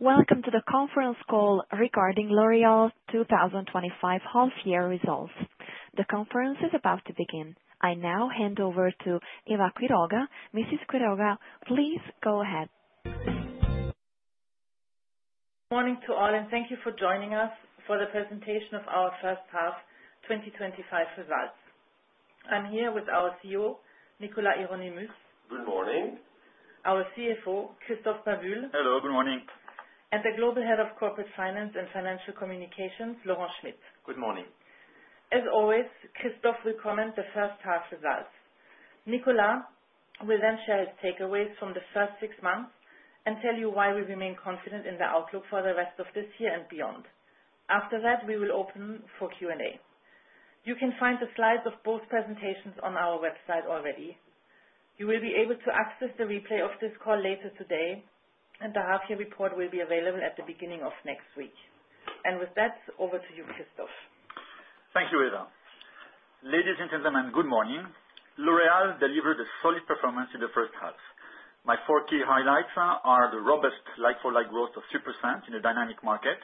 Welcome to the conference call regarding L'Oréal 2025 half-year results. The conference is about to begin. I now hand over to Eva Quiroga. Mrs. Quiroga, please go ahead. Good morning to all, and thank you for joining us for the presentation of our first half 2025 results. I'm here with our CEO, Nicolas Hieronimus. Good morning. Our CFO, Christophe Babule. Hello. Good morning. The global head of corporate finance and financial communications, Laurent Schmitt. Good morning. As always, Christophe will comment on the first half results. Nicolas will then share his takeaways from the first six months and tell you why we remain confident in the outlook for the rest of this year and beyond. After that, we will open for Q&A. You can find the slides of both presentations on our website already. You will be able to access the replay of this call later today, and the half-year report will be available at the beginning of next week. With that, over to you, Christophe. Thank you, Eva. Ladies and gentlemen, good morning. L'Oréal delivered a solid performance in the first half. My four key highlights are the robust like-for-like growth of 3% in a dynamic market,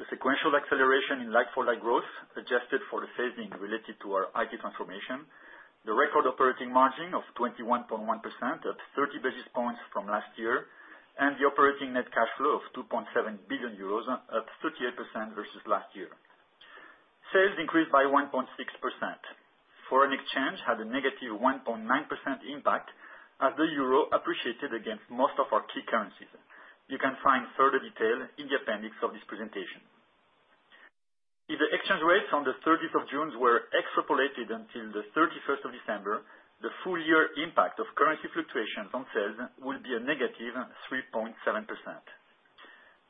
the sequential acceleration in like-for-like growth adjusted for the phasing related to our IT transformation, the record operating margin of 21.1%, up 30 basis points from last year, and the operating net cash flow of 2.7 billion euros, up 38% versus last year. Sales increased by 1.6%. Foreign exchange had a -1.9% impact as the euro appreciated against most of our key currencies. You can find further detail in the appendix of this presentation. If the exchange rates on the 30th of June were extrapolated until the 31st of December, the full-year impact of currency fluctuations on sales would be a -3.7%.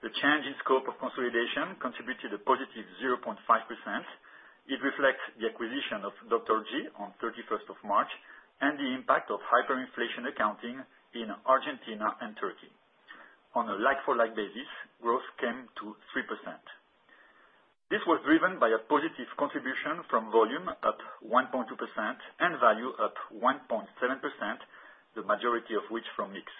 The change in scope of consolidation contributed a +0.5%. It reflects the acquisition of Dr. G on the 31st of March and the impact of hyperinflation accounting in Argentina and Turkey. On a like-for-like basis, growth came to 3%. This was driven by a positive contribution from volume at 1.2% and value up 1.7%, the majority of which from mix.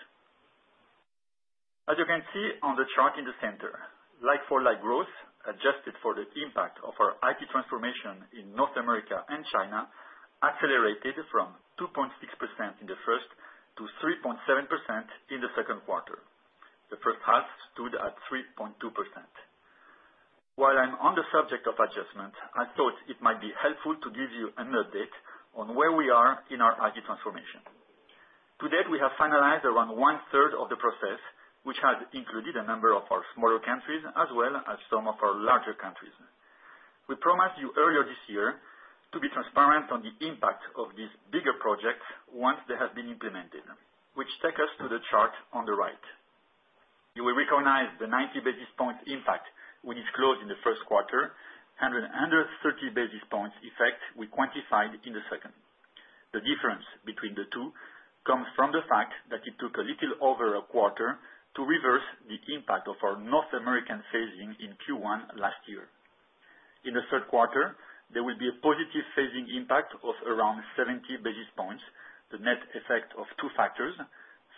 As you can see on the chart in the center, like-for-like growth adjusted for the impact of our IT transformation in North America and China accelerated from 2.6% in the first to 3.7% in the second quarter. The first half stood at 3.2%. While I'm on the subject of adjustment, I thought it might be helpful to give you an update on where we are in our IT transformation. To date, we have finalized around one-third of the process, which has included a number of our smaller countries as well as some of our larger countries. We promised you earlier this year to be transparent on the impact of these bigger projects once they have been implemented, which takes us to the chart on the right. You will recognize the 90 basis point impact we disclosed in the first quarter and the 130 basis point effect we quantified in the second. The difference between the two comes from the fact that it took a little over a quarter to reverse the impact of our North American phasing in Q1 last year. In the third quarter, there will be a positive phasing impact of around 70 basis points, the net effect of two factors.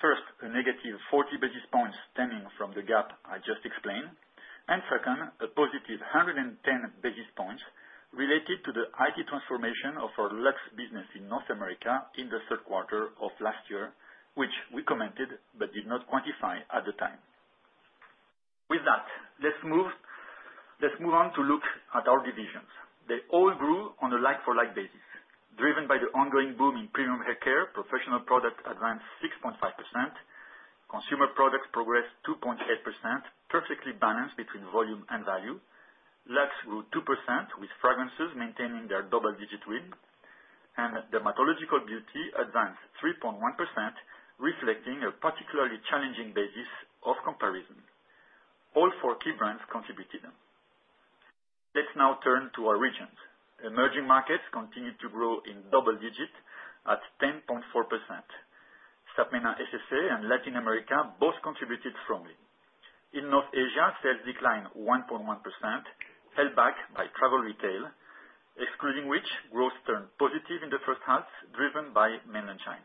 First, a -40 basis points stemming from the gap I just explained, and second, a +110 basis points related to the IT transformation of our Luxe business in North America in the third quarter of last year, which we commented but did not quantify at the time. With that, let's move on to look at our divisions. They all grew on a like-for-like basis, driven by the ongoing boom in premium healthcare. Professional Products advanced 6.5%. Consumer Products progressed 2.8%, perfectly balanced between volume and value. Luxe grew 2%, with fragrances maintaining their double-digit win. Dermatological Beauty advanced 3.1%, reflecting a particularly challenging basis of comparison. All four key brands contributed. Let's now turn to our regions. Emerging markets continued to grow in double digits at 10.4%. SAPMENA, SSA, and Latin America both contributed strongly. In North Asia, sales declined 1.1%, held back by travel retail, excluding which growth turned positive in the first half, driven by Mainland China.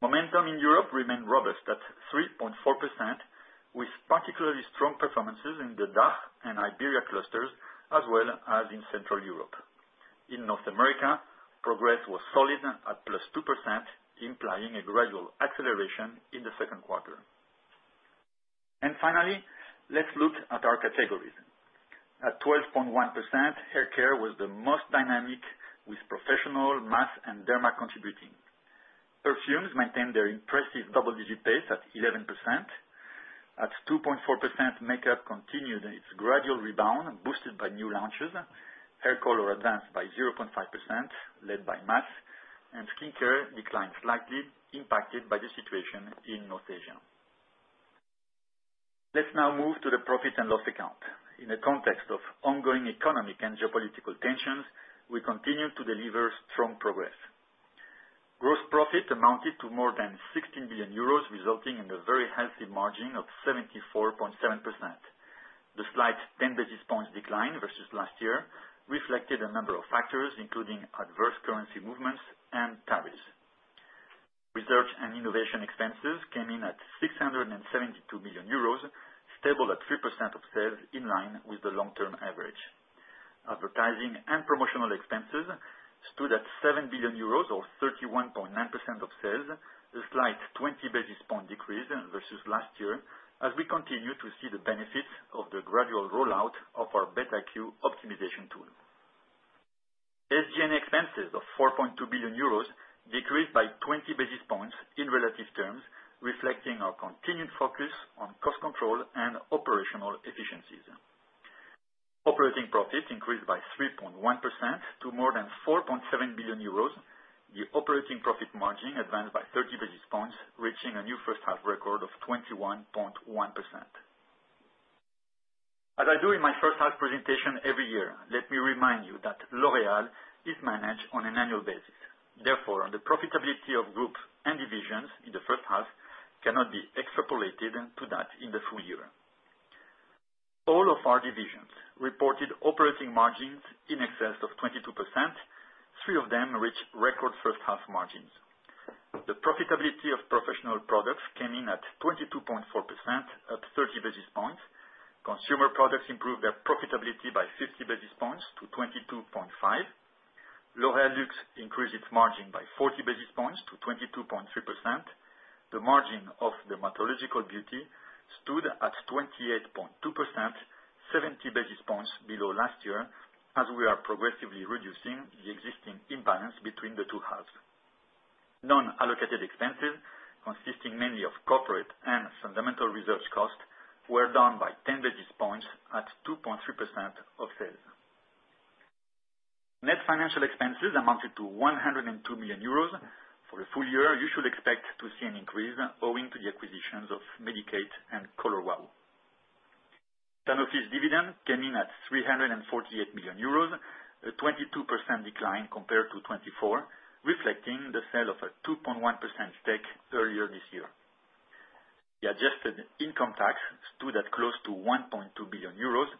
Momentum in Europe remained robust at 3.4%, with particularly strong performances in the DACH and Iberia clusters as well as in Central Europe. In North America, progress was solid at +2%, implying a gradual acceleration in the second quarter. Let's look at our categories. At 12.1%, healthcare was the most dynamic, with professional, mass, and derma contributing. Perfumes maintained their impressive double-digit pace at 11%. At 2.4%, makeup continued its gradual rebound, boosted by new launches. Hair color advanced by 0.5%, led by mass. Skincare declined slightly, impacted by the situation in North Asia. Let's now move to the profit and loss account. In the context of ongoing economic and geopolitical tensions, we continue to deliver strong progress. Gross profit amounted to more than 16 billion euros, resulting in a very healthy margin of 74.7%. The slight 10 basis points decline versus last year reflected a number of factors, including adverse currency movements and tariffs. Research and innovation expenses came in at 672 million euros, stable at 3% of sales, in line with the long-term average. Advertising and promotional expenses stood at 7 billion euros, or 31.9% of sales, a slight 20 basis point decrease versus last year, as we continue to see the benefits of the gradual rollout of our BETiq optimization tool. SG&A expenses of 4.2 billion euros decreased by 20 basis points in relative terms, reflecting our continued focus on cost control and operational efficiencies. Operating profit increased by 3.1% to more than 4.7 billion euros. The operating profit margin advanced by 30 basis points, reaching a new first-half record of 21.1%. As I do in my first-half presentation every year, let me remind you that L'Oréal is managed on an annual basis. Therefore, the profitability of groups and divisions in the first half cannot be extrapolated to that in the full year. All of our divisions reported operating margins in excess of 22%. Three of them reached record first-half margins. The profitability of professional products came in at 22.4%, up 30 basis points. Consumer products improved their profitability by 50 basis points to 22.5%. L'Oréal Luxe increased its margin by 40 basis points to 22.3%. The margin of dermatological beauty stood at 28.2%, 70 basis points below last year, as we are progressively reducing the existing imbalance between the two halves. Non-allocated expenses, consisting mainly of corporate and fundamental research costs, were down by 10 basis points at 2.3% of sales. Net financial expenses amounted to 102 million euros. For the full year, you should expect to see an increase owing to the acquisitions of Medik8 and Color Wow. Sanofi dividend came in at 348 million euros, a 22% decline compared to 2024, reflecting the sale of a 2.1% stake earlier this year. The adjusted income tax stood at close to 1.2 billion euros,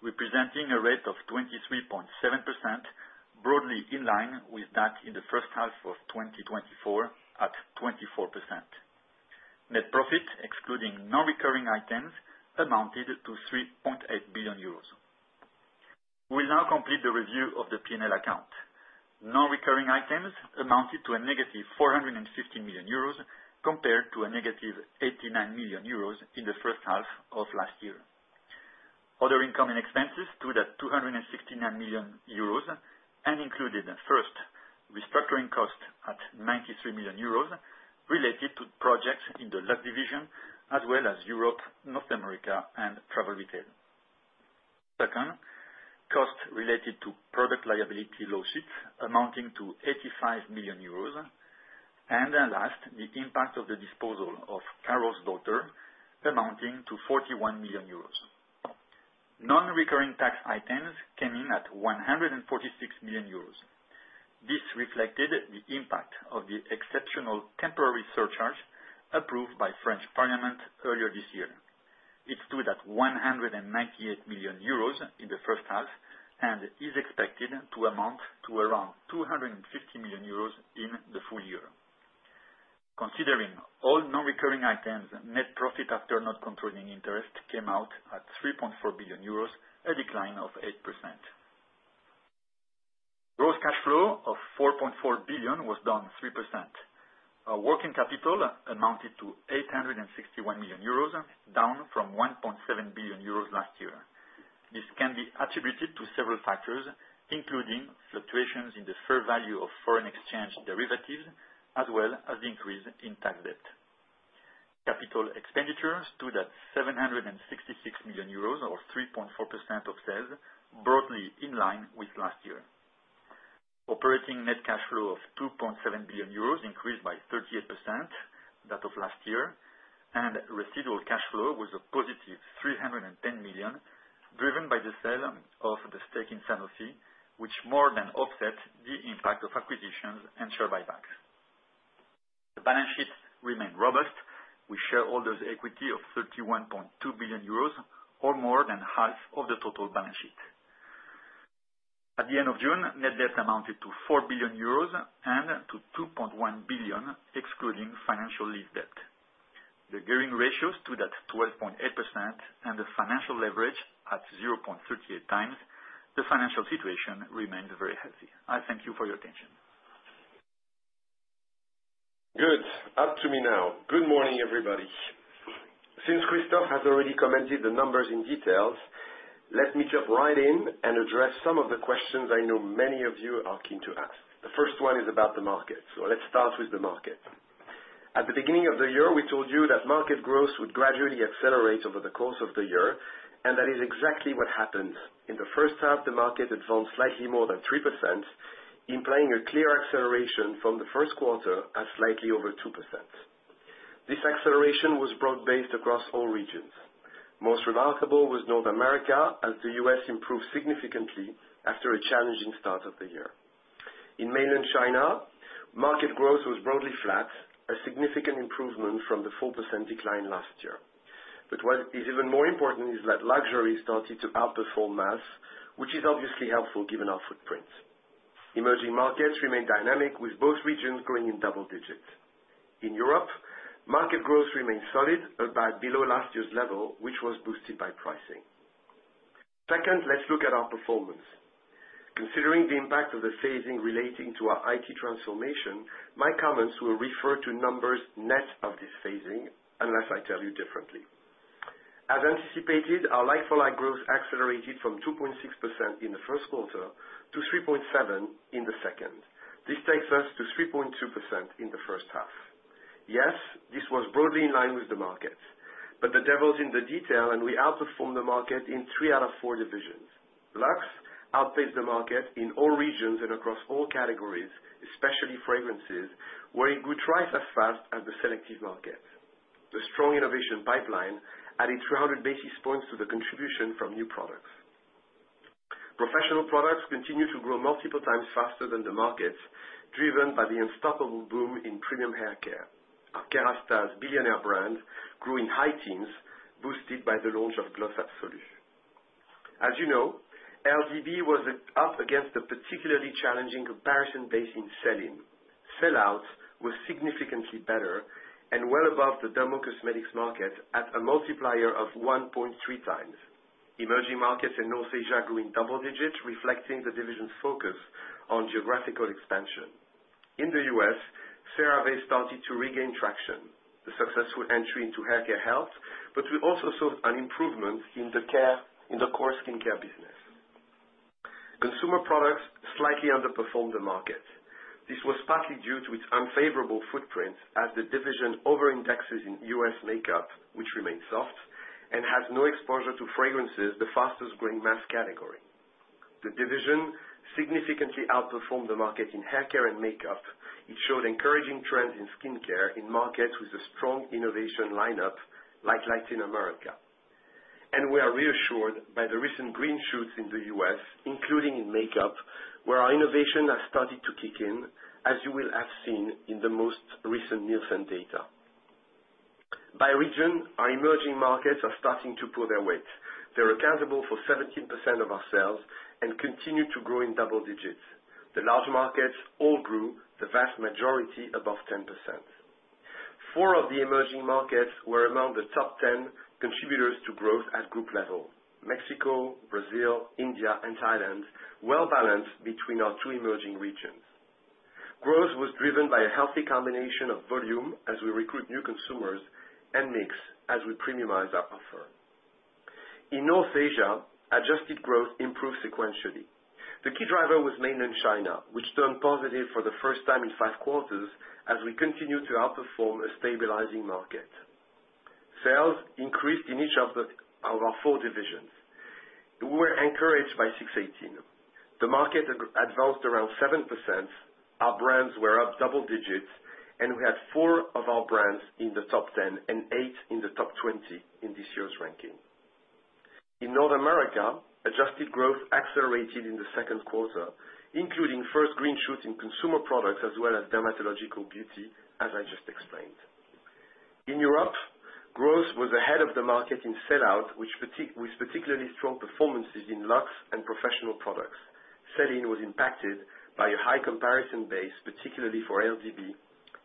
representing a rate of 23.7%, broadly in line with that in the first half of 2024 at 24%. Net profit, excluding non-recurring items, amounted to 3.8 billion euros. We'll now complete the review of the P&L account. Non-recurring items amounted to a negative 415 million euros compared to a negative 89 million euros in the first half of last year. Other incoming expenses stood at 269 million euros and included, first, restructuring costs at 93 million euros related to projects in the Luxe division, as well as Europe, North America, and travel retail. Second, costs related to product liability lawsuits amounting to 85 million euros. Last, the impact of the disposal of Carol's Daughter amounting to 41 million euros. Non-recurring tax items came in at 146 million euros. This reflected the impact of the exceptional temporary surcharge approved by the French Parliament earlier this year. It stood at 198 million euros in the first half and is expected to amount to around 250 million euros in the full year. Considering all non-recurring items, net profit after not controlling interest came out at 3.4 billion euros, a decline of 8%. Gross cash flow of 4.4 billion was down 3%. Our working capital amounted to 861 million euros, down from 1.7 billion euros last year. This can be attributed to several factors, including fluctuations in the fair value of foreign exchange derivatives, as well as the increase in tax debt. Capital expenditure stood at 766 million euros, or 3.4% of sales, broadly in line with last year. Operating net cash flow of 2.7 billion euros increased by 38% that of last year, and residual cash flow was a positive 310 million, driven by the sale of the stake in Sanofi, which more than offsets the impact of acquisitions and share buybacks. The balance sheet remained robust. We share all those equity of 31.2 billion euros, or more than half of the total balance sheet. At the end of June, net debt amounted to 4 billion euros and to 2.1 billion, excluding financial lease debt. The gearing ratio stood at 12.8%, and the financial leverage at 0.38 times. The financial situation remained very healthy. I thank you for your attention. Good. Up to me now. Good morning, everybody. Since Christophe has already commented the numbers in detail, let me jump right in and address some of the questions I know many of you are keen to ask. The first one is about the market. Let's start with the market. At the beginning of the year, we told you that market growth would gradually accelerate over the course of the year, and that is exactly what happened. In the first half, the market advanced slightly more than 3%, implying a clear acceleration from the first quarter at slightly over 2%. This acceleration was broad-based across all regions. Most remarkable was North America, as the U.S. improved significantly after a challenging start of the year. In Mainland China, market growth was broadly flat, a significant improvement from the 4% decline last year. What is even more important is that luxury started to outperform mass, which is obviously helpful given our footprint. Emerging markets remained dynamic, with both regions growing in double digits. In Europe, market growth remained solid, but below last year's level, which was boosted by pricing. Second, let's look at our performance. Considering the impact of the phasing relating to our IT transformation, my comments will refer to numbers net of this phasing, unless I tell you differently. As anticipated, our like-for-like growth accelerated from 2.6% in the first quarter to 3.7% in the second. This takes us to 3.2% in the first half. Yes, this was broadly in line with the market, but the devil's in the detail, and we outperformed the market in three out of four divisions. Luxe outpaced the market in all regions and across all categories, especially fragrances, where it grew twice as fast as the selective market. The strong innovation pipeline added 300 basis points to the contribution from new products. Professional products continue to grow multiple times faster than the markets, driven by the unstoppable boom in premium haircare. Our Kérastase billionaire brand grew in high teens, boosted by the launch of Gloss Absolu. As you know, LDB was up against a particularly challenging comparison base in CELINE. Sell-outs were significantly better and well above the dermocosmetics market at a multiplier of 1.3 times. Emerging markets in North Asia grew in double digits, reflecting the division's focus on geographical expansion. In the U.S., CeraVe started to regain traction, a successful entry into healthcare, but we also saw an improvement in the core skincare business. Consumer products slightly underperformed the market. This was partly due to its unfavorable footprint, as the division over-indexes in U.S. makeup, which remains soft and has no exposure to fragrances, the fastest-growing mass category. The division significantly outperformed the market in haircare and makeup. It showed encouraging trends in skincare in markets with a strong innovation lineup, like Latin America. We are reassured by the recent green shoots in the U.S., including in makeup, where our innovation has started to kick in, as you will have seen in the most recent Nielsen data. By region, our emerging markets are starting to pull their weight. They're accountable for 17% of our sales and continue to grow in double digits. The large markets all grew, the vast majority above 10%. Four of the emerging markets were among the top 10 contributors to growth at group level: Mexico, Brazil, India, and Thailand, well balanced between our two emerging regions. Growth was driven by a healthy combination of volume as we recruit new consumers and mix as we premiumize our offer. In North Asia, adjusted growth improved sequentially. The key driver was Mainland China, which turned positive for the first time in five quarters, as we continue to outperform a stabilizing market. Sales increased in each of our four divisions. We were encouraged by 618. The market advanced around 7%. Our brands were up double digits, and we had four of our brands in the top 10 and eight in the top 20 in this year's ranking. In North America, adjusted growth accelerated in the second quarter, including first green shoot in consumer products as well as dermatological beauty, as I just explained. In Europe, growth was ahead of the market in sell-out, with particularly strong performances in Luxe and professional products. Celine was impacted by a high comparison base, particularly for LDB,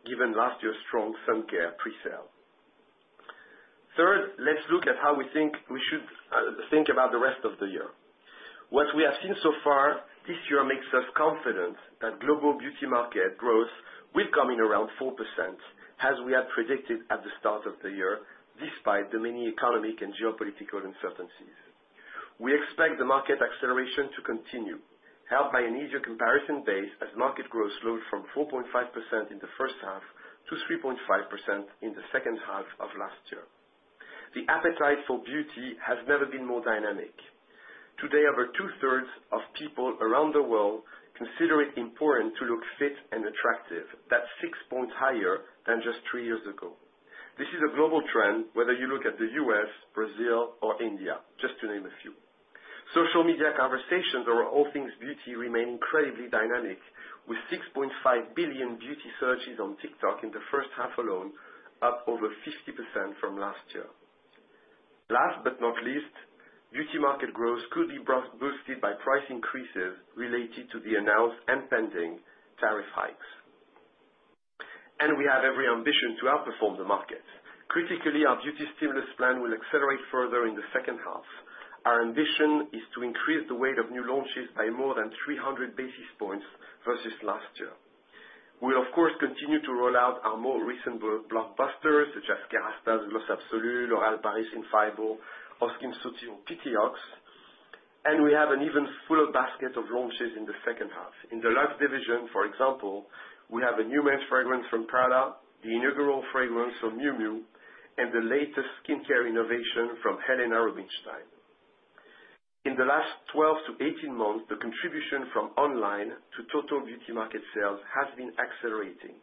given last year's strong suncare pre-sale. Third, let's look at how we think we should think about the rest of the year. What we have seen so far this year makes us confident that global beauty market growth will come in around 4%, as we had predicted at the start of the year, despite the many economic and geopolitical uncertainties. We expect the market acceleration to continue, helped by an easier comparison base as market growth slowed from 4.5% in the first half to 3.5% in the second half of last year. The appetite for beauty has never been more dynamic. Today, over two-thirds of people around the world consider it important to look fit and attractive, that is six points higher than just three years ago. This is a global trend, whether you look at the U.S., Brazil, or India, just to name a few. Social media conversations around all things beauty remain incredibly dynamic, with 6.5 billion beauty searches on TikTok in the first half alone, up over 50% from last year. Last but not least, beauty market growth could be boosted by price increases related to the announced and pending tariff hikes. We have every ambition to outperform the market. Critically, our Beauty Stimulus Plan will accelerate further in the second half. Our ambition is to increase the weight of new launches by more than 300 basis points versus last year. We'll, of course, continue to roll out our more recent blockbusters, such as Kérastase, Gloss Absolu, L'Oréal Paris Infaillible, SkinCeuticals, P-TIOX, and we have an even fuller basket of launches in the second half. In the Luxe division, for example, we have a new men's fragrance from Prada, the inaugural fragrance from Miu Miu, and the latest skincare innovation from Helena Rubinstein. In the last 12 to 18 months, the contribution from online to total beauty market sales has been accelerating.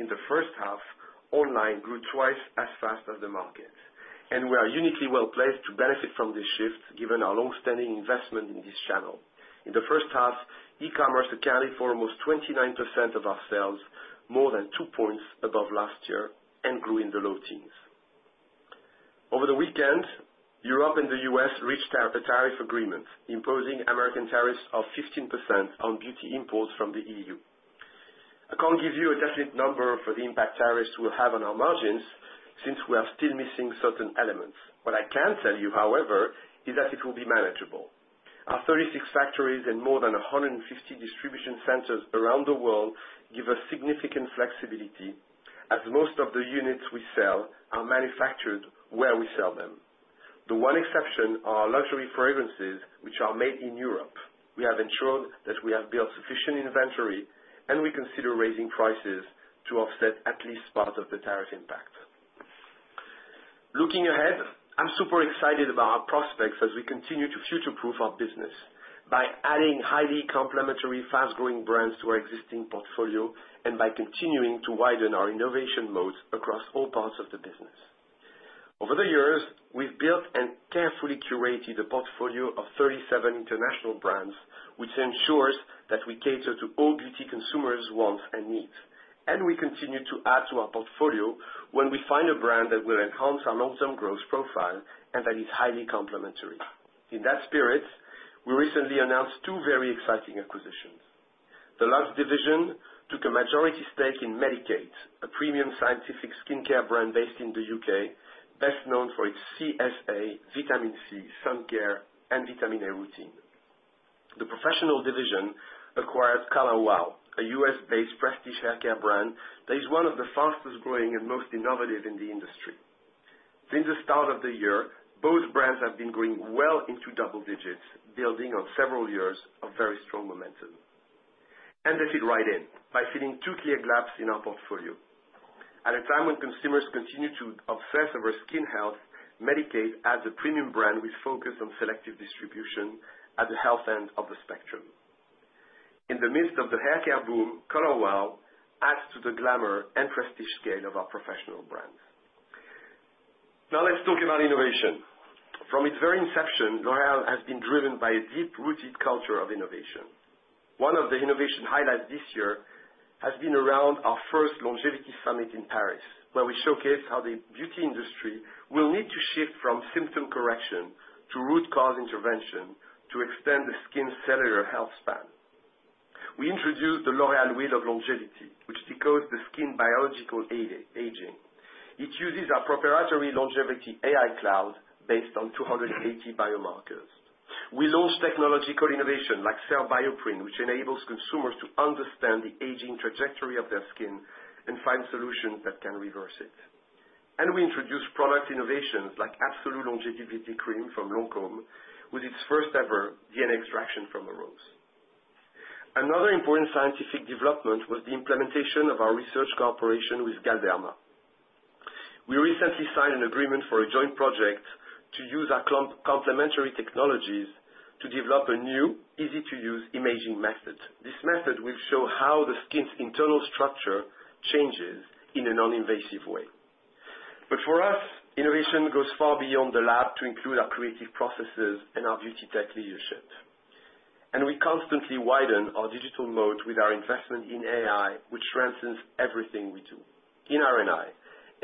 In the first half, online grew twice as fast as the market. We are uniquely well placed to benefit from this shift, given our long-standing investment in this channel. In the first half, e-commerce accounted for almost 29% of our sales, more than two percentage points above last year, and grew in the low teens. Over the weekend, Europe and the U.S. reached a tariff agreement, imposing American tariffs of 15% on beauty imports from the EU. I can't give you a definite number for the impact tariffs will have on our margins since we are still missing certain elements. What I can tell you, however, is that it will be manageable. Our 36 factories and more than 150 distribution centers around the world give us significant flexibility, as most of the units we sell are manufactured where we sell them. The one exception are luxury fragrances, which are made in Europe. We have ensured that we have built sufficient inventory, and we consider raising prices to offset at least part of the tariff impact. Looking ahead, I'm super excited about our prospects as we continue to future-proof our business by adding highly complementary, fast-growing brands to our existing portfolio and by continuing to widen our innovation modes across all parts of the business. Over the years, we've built and carefully curated a portfolio of 37 international brands, which ensures that we cater to all beauty consumers' wants and needs. We continue to add to our portfolio when we find a brand that will enhance our long-term growth profile and that is highly complementary. In that spirit, we recently announced two very exciting acquisitions. The Luxe division took a majority stake in Medik8, a premium scientific skincare brand based in the U.K., best known for its CSA, vitamin C, suncare, and vitamin A routine. The Professional Products division acquired Color Wow, a U.S.-based prestige haircare brand that is one of the fastest-growing and most innovative in the industry. Since the start of the year, both brands have been growing well into double digits, building on several years of very strong momentum. They fit right in by filling two clear gaps in our portfolio. At a time when consumers continue to obsess over skin health, Medik8 adds a premium brand with focus on selective distribution at the health end of the spectrum. In the midst of the haircare boom, Color Wow adds to the glamour and prestige scale of our professional brands. Now let's talk about innovation. From its very inception, L'Oréal has been driven by a deep-rooted culture of innovation. One of the innovation highlights this year has been around our first Longevity Summit in Paris, where we showcase how the beauty industry will need to shift from symptom correction to root cause intervention to extend the skin's cellular health span. We introduced the L'Oréal Wheel of Longevity, which decodes the skin biological aging. It uses our proprietary longevity AI cloud based on 280 biomarkers. We launched technological innovation like Cell Bioprint, which enables consumers to understand the aging trajectory of their skin and find solutions that can reverse it. We introduced product innovations like Absolue Longevity Cream from Lancôme, with its first-ever DNA extraction from a rose. Another important scientific development was the implementation of our research cooperation with Galderma. We recently signed an agreement for a joint project to use our complementary technologies to develop a new, easy-to-use imaging method. This method will show how the skin's internal structure changes in a non-invasive way. For us, innovation goes far beyond the lab to include our creative processes and our beauty tech leadership. We constantly widen our digital moat with our investment in AI, which strengthens everything we do. In R&I,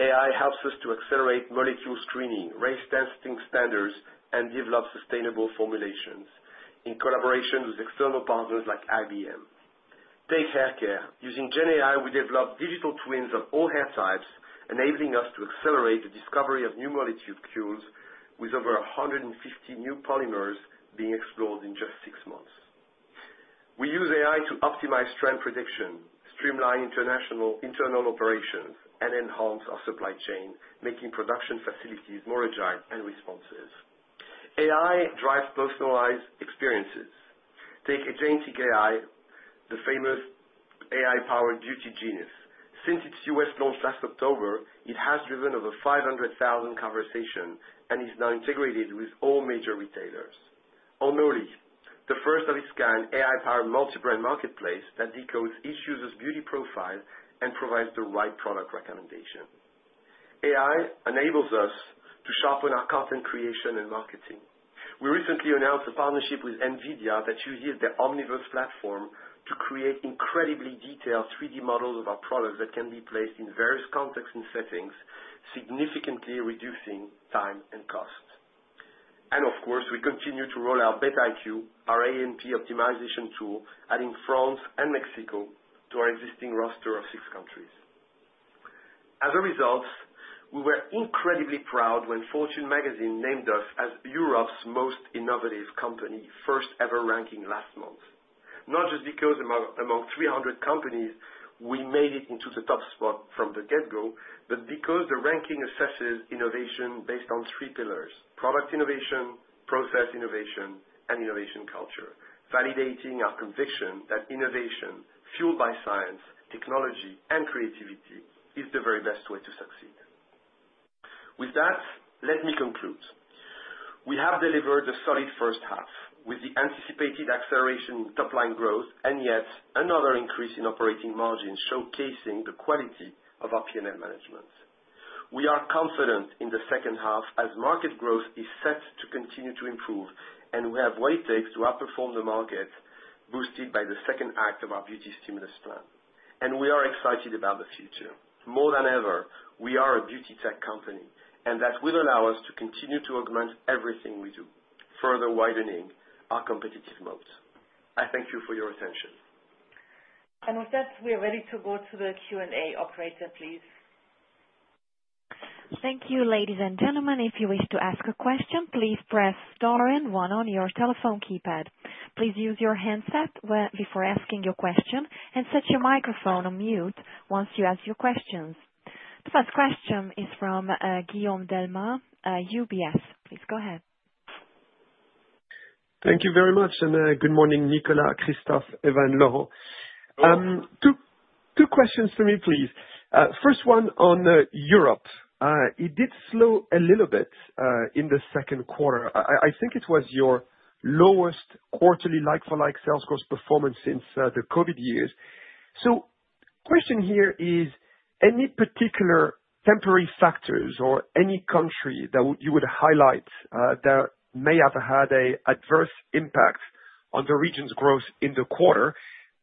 AI helps us to accelerate molecule screening, raise testing standards, and develop sustainable formulations in collaboration with external partners like IBM. Take haircare. Using GenAI, we develop digital twins of all hair types, enabling us to accelerate the discovery of new molecule tools, with over 150 new polymers being explored in just six months. We use AI to optimize trend prediction, streamline international internal operations, and enhance our supply chain, making production facilities more agile and responsive. AI drives personalized experiences. Take agentic AI, the famous AI-powered beauty genius. Since its U.S. launch last October, it has driven over 500,000 conversations and is now integrated with all major retailers. Noli, the first of its kind, AI-powered multi-brand marketplace that decodes each user's beauty profile and provides the right product recommendation. AI enables us to sharpen our content creation and marketing. We recently announced a partnership with NVIDIA that uses the Omniverse platform to create incredibly detailed 3D models of our products that can be placed in various contexts and settings, significantly reducing time and cost. We continue to roll out BETiq, our AMP optimization tool, adding France and Mexico to our existing roster of six countries. As a result, we were incredibly proud when Fortune Magazine named us as Europe's most innovative company, first ever ranking last month. Not just because among 300 companies, we made it into the top spot from the get-go, but because the ranking assesses innovation based on three pillars: product innovation, process innovation, and innovation culture, validating our conviction that innovation fueled by science, technology, and creativity is the very best way to succeed. With that, let me conclude. We have delivered a solid first half with the anticipated acceleration in top-line growth and yet another increase in operating margins showcasing the quality of our P&L management. We are confident in the second half as market growth is set to continue to improve, and we have what it takes to outperform the market, boosted by the second act of our Beauty Stimulus Plan. We are excited about the future. More than ever, we are a beauty tech company, and that will allow us to continue to augment everything we do, further widening our competitive moat. I thank you for your attention. With that, we are ready to go to the Q&A. Operator, please. Thank you, ladies and gentlemen. If you wish to ask a question, please press star and one on your telephone keypad. Please use your handset before asking your question and set your microphone on mute once you ask your questions. The first question is from Guillaume Delmas, UBS. Please go ahead. Thank you very much, and good morning, Nicolas, Christophe, Eva, Laurent. Two questions for me, please. First one on Europe. It did slow a little bit in the second quarter. I think it was your lowest quarterly like-for-like sales growth performance since the COVID years. The question here is, any particular temporary factors or any country that you would highlight that may have had an adverse impact on the region's growth in the quarter?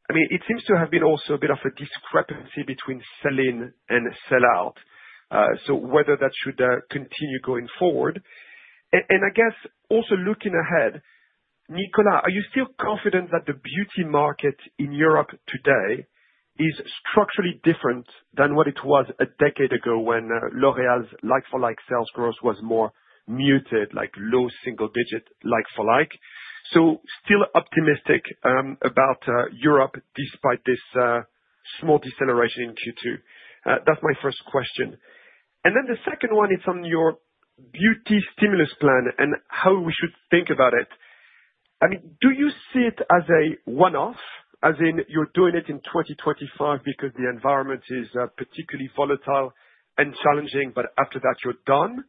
I mean, it seems to have been also a bit of a discrepancy between sell-in and sell-out, so whether that should continue going forward. I guess also looking ahead, Nicolas, are you still confident that the beauty market in Europe today is structurally different than what it was a decade ago when L'Oréal's like-for-like sales growth was more muted, like low single-digit like-for-like? Still optimistic about Europe despite this small deceleration in Q2. That's my first question. The second one, it's on your Beauty Stimulus Plan and how we should think about it. I mean, do you see it as a one-off, as in you're doing it in 2025 because the environment is particularly volatile and challenging, but after that, you're done?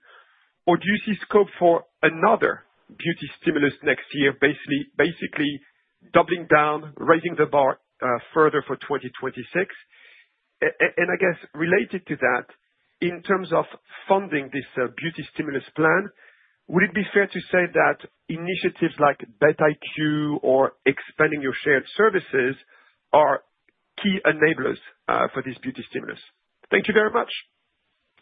Do you see scope for another beauty stimulus next year, basically doubling down, raising the bar further for 2026? I guess related to that, in terms of funding this Beauty Stimulus Plan, would it be fair to say that initiatives like BETiq or expanding your shared services are key enablers for this Beauty Stimulus? Thank you very much.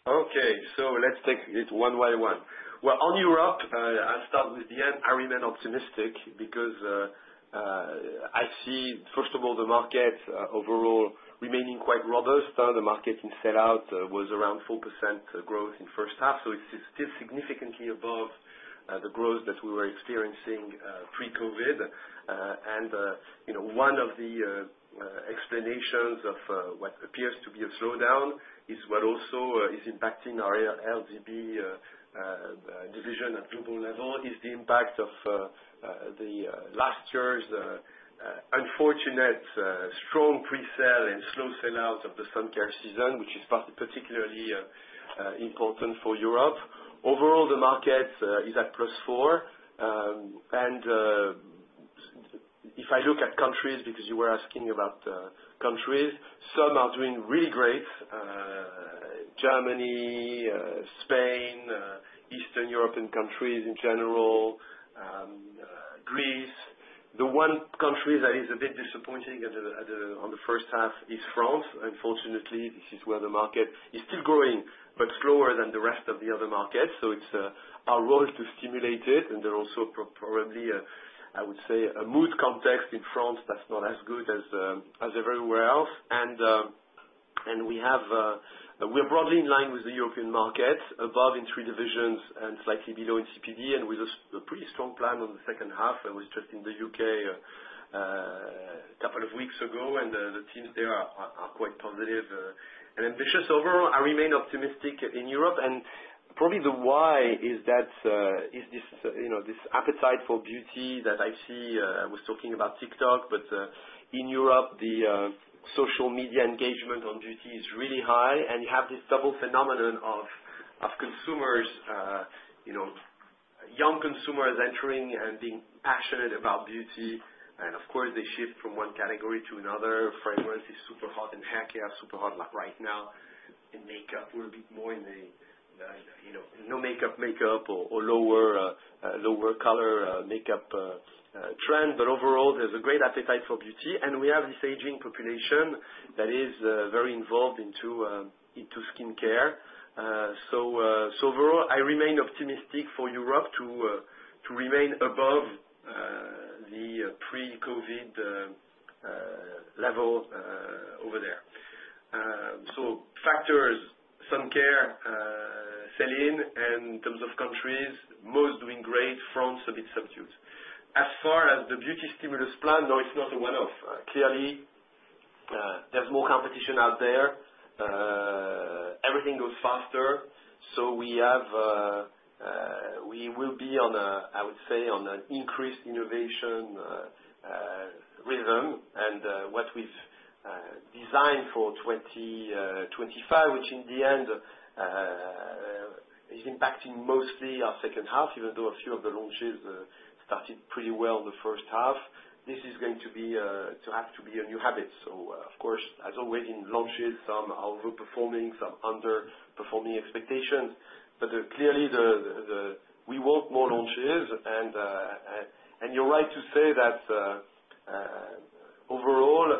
Okay. Let's take it one by one. On Europe, I'll start with the end. I remain optimistic because I see, first of all, the market overall remaining quite robust. The market in sell-out was around 4% growth in the first half, so it's still significantly above the growth that we were experiencing pre-COVID. One of the explanations of what appears to be a slowdown is what also is impacting our LGB division at global level, which is the impact of last year's unfortunate strong presale and slow sell-out of the suncare season, which is particularly important for Europe. Overall, the market is at plus 4%. If I look at countries, because you were asking about countries, some are doing really great: Germany, Spain, Eastern European countries in general, Greece. The one country that is a bit disappointing in the first half is France. Unfortunately, this is where the market is still growing, but slower than the rest of the other markets. It is our role to stimulate it. There are also probably, I would say, a mood context in France that is not as good as everywhere else. We are broadly in line with the European markets, above in three divisions and slightly below in CPD, and with a pretty strong plan on the second half. I was just in the U.K. a couple of weeks ago, and the teams there are quite positive and ambitious. Overall, I remain optimistic in Europe. Probably the why is this appetite for beauty that I see. I was talking about TikTok, but in Europe, the social media engagement on beauty is really high. You have this double phenomenon of consumers, young consumers entering and being passionate about beauty. Of course, they shift from one category to another. Fragrance is super hot and haircare is super hot right now. Makeup, we're a bit more in the no makeup, makeup, or lower color makeup trend. Overall, there's a great appetite for beauty. We have this aging population that is very involved into skincare. Overall, I remain optimistic for Europe to remain above the pre-COVID level over there. Factors: suncare, sell-in, and in terms of countries, most doing great. France a bit subdued. As far as the Beauty Stimulus Plan, no, it's not a one-off. Clearly, there's more competition out there. Everything goes faster. We will be, I would say, on an increased innovation rhythm. What we have designed for 2025, which in the end is impacting mostly our second half, even though a few of the launches started pretty well in the first half, this is going to have to be a new habit. Of course, as always in launches, some are overperforming, some underperforming expectations. Clearly, we want more launches. You are right to say that overall,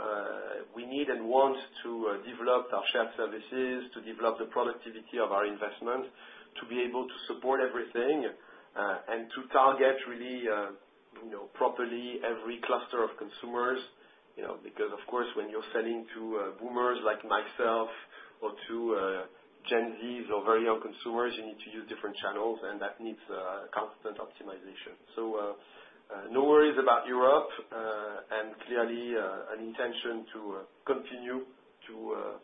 we need and want to develop our shared services, to develop the productivity of our investments, to be able to support everything, and to target really properly every cluster of consumers. Because of course, when you are selling to boomers like myself or to Gen Zs or very young consumers, you need to use different channels, and that needs constant optimization. No worries about Europe. Clearly, an intention to continue to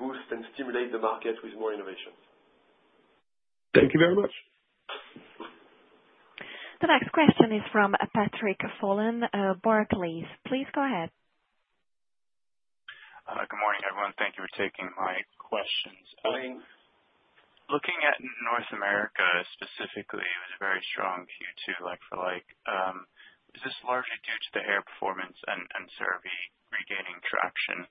boost and stimulate the market with more innovations. Thank you very much. The next question is from Patrick Follin, Barclays. Please go ahead. Good morning, everyone. Thank you for taking my questions. Looking at North America specifically, it was a very strong Q2 like-for-like. Is this largely due to the hair performance and CeraVe regaining traction?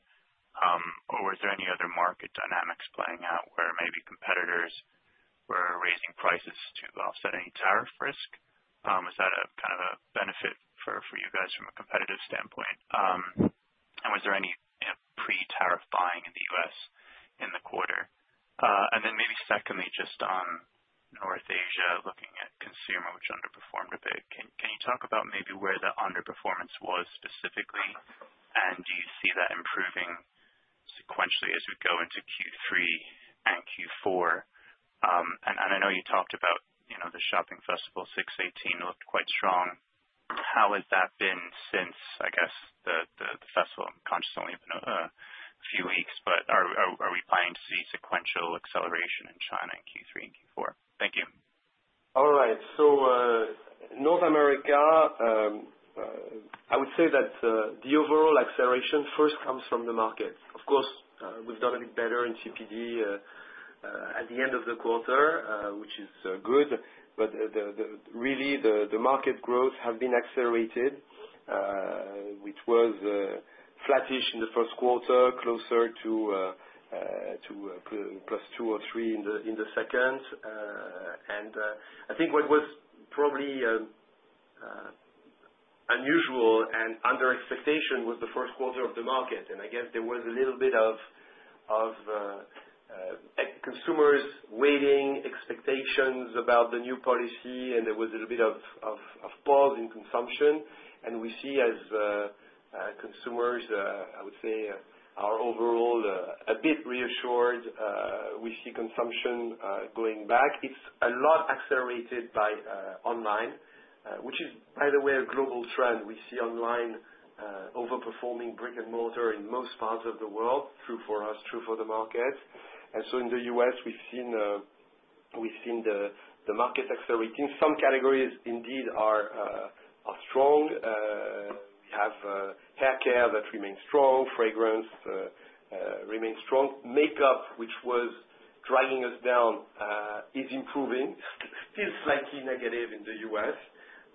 Or were there any other market dynamics playing out where maybe competitors were raising prices to offset any tariff risk? Was that kind of a benefit for you guys from a competitive standpoint? Was there any pre-tariff buying in the U.S. in the quarter? Secondly, just on North Asia, looking at consumer, which underperformed a bit. Can you talk about maybe where the underperformance was specifically? Do you see that improving sequentially as we go into Q3 and Q4? I know you talked about the shopping festival, 6/18, looked quite strong. How has that been since, I guess, the festival? I'm conscious it's only been a few weeks, but are we planning to see sequential acceleration in China in Q3 and Q4? Thank you. All right. North America, I would say that the overall acceleration first comes from the market. Of course, we've done a bit better in CPD at the end of the quarter, which is good. Really, the market growth has been accelerated, which was flattish in the first quarter, closer to plus 2 or 3% in the second. I think what was probably unusual and under expectation was the first quarter of the market. I guess there was a little bit of consumers' waiting expectations about the new policy, and there was a little bit of pause in consumption. We see as consumers, I would say, are overall a bit reassured. We see consumption going back. It's a lot accelerated by online, which is, by the way, a global trend. We see online overperforming brick and mortar in most parts of the world, true for us, true for the market. In the U.S., we've seen the market accelerating. Some categories indeed are strong. We have haircare that remains strong, fragrance remains strong. Makeup, which was dragging us down, is improving, still slightly negative in the U.S.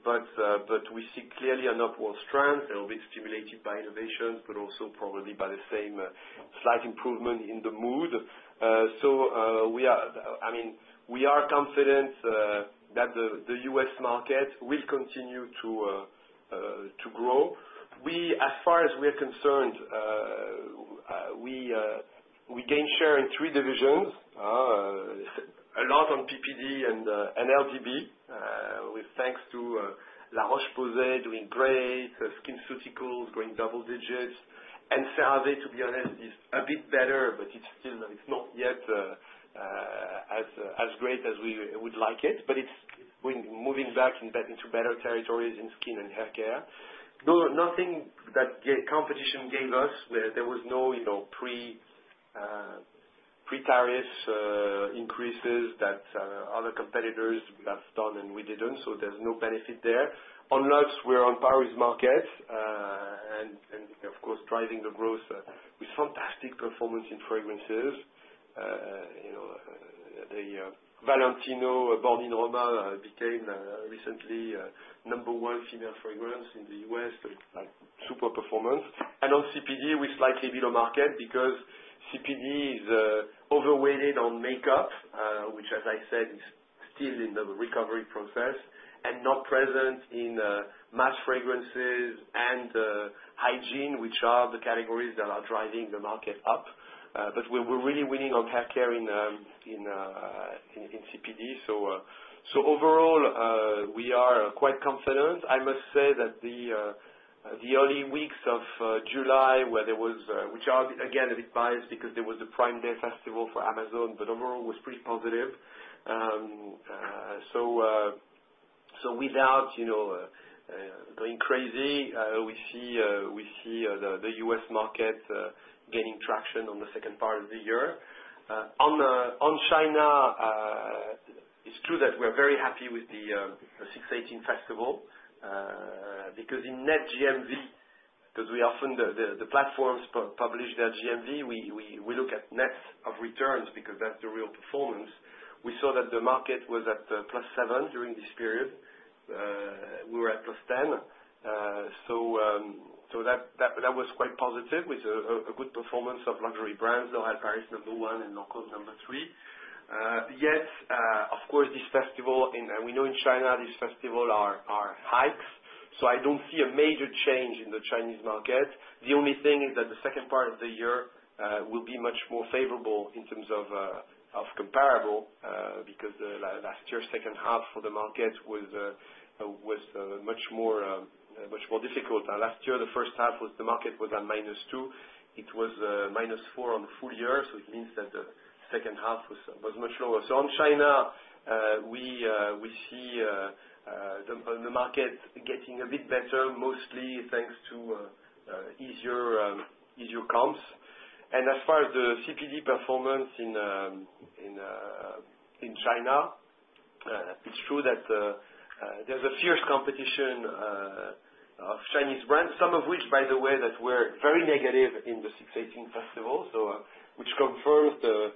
We see clearly an upward trend. They're a bit stimulated by innovations, but also probably by the same slight improvement in the mood. I mean, we are confident that the U.S market will continue to grow. As far as we are concerned, we gained share in three divisions, a lot on PPD and LGB, thanks to La Roche-Posay doing great, skin surgicals going double digits. CeraVe, to be honest, is a bit better, but it's not yet as great as we would like it. It is moving back into better territories in skin and haircare. Nothing that competition gave us. There was no pre-tariff increases that other competitors have done, and we did not. There is no benefit there. On Luxe, we are on Paris market. Of course, driving the growth with fantastic performance in fragrances. The Valentino Born in Roma became recently number one female fragrance in the U.S., super performance. On CPD, we are slightly below market because CPD is overweighted on makeup, which, as I said, is still in the recovery process and not present in mass fragrances and hygiene, which are the categories that are driving the market up. We are really winning on haircare in CPD. Overall, we are quite confident. I must say that the early weeks of July, which are again a bit biased because there was the Prime Day festival for Amazon, but overall was pretty positive. Without going crazy, we see the U.S. market gaining traction on the second part of the year. On China, it's true that we're very happy with the 6/18 festival because in net GMV, because we often the platforms publish their GMV, we look at nets of returns because that's the real performance. We saw that the market was at plus 7% during this period. We were at plus 10%. That was quite positive with a good performance of luxury brands, L'Oréal Paris number one and Lancôme number three. Yet, of course, this festival, and we know in China, these festivals are hypes. I don't see a major change in the Chinese market. The only thing is that the second part of the year will be much more favorable in terms of comparable because last year's second half for the market was much more difficult. Last year, the first half was the market was at -2. It was -4 on the full year. It means that the second half was much lower. In China, we see the market getting a bit better, mostly thanks to easier comps. As far as the CPD performance in China, it's true that there's a fierce competition of Chinese brands, some of which, by the way, that were very negative in the 6/18 festival, which confirms the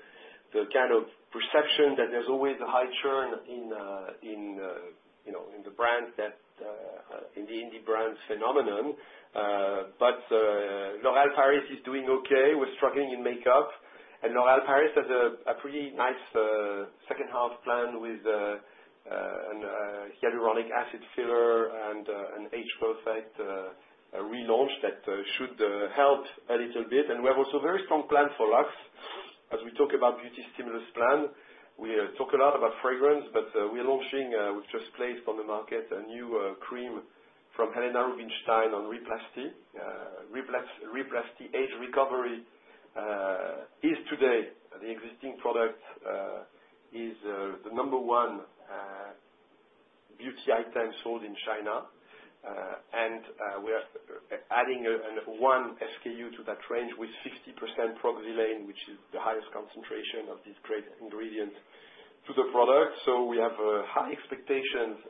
kind of perception that there's always a high churn in the brands that in the indie brands phenomenon. L'Oréal Paris is doing okay. We're struggling in makeup. L'Oréal Paris has a pretty nice second half plan with a hyaluronic acid filler and an H-Perfect relaunch that should help a little bit. We have also a very strong plan for Luxe. As we talk about Beauty Stimulus Plan, we talk a lot about fragrance, but we're launching, we've just placed on the market a new cream from Helena Rubinstein on Re-Plasty. Re-Plasty Age Recovery is today the existing product, is the number one beauty item sold in China. We're adding one SKU to that range with 50% Pro-Xylane, which is the highest concentration of this great ingredient to the product. We have high expectations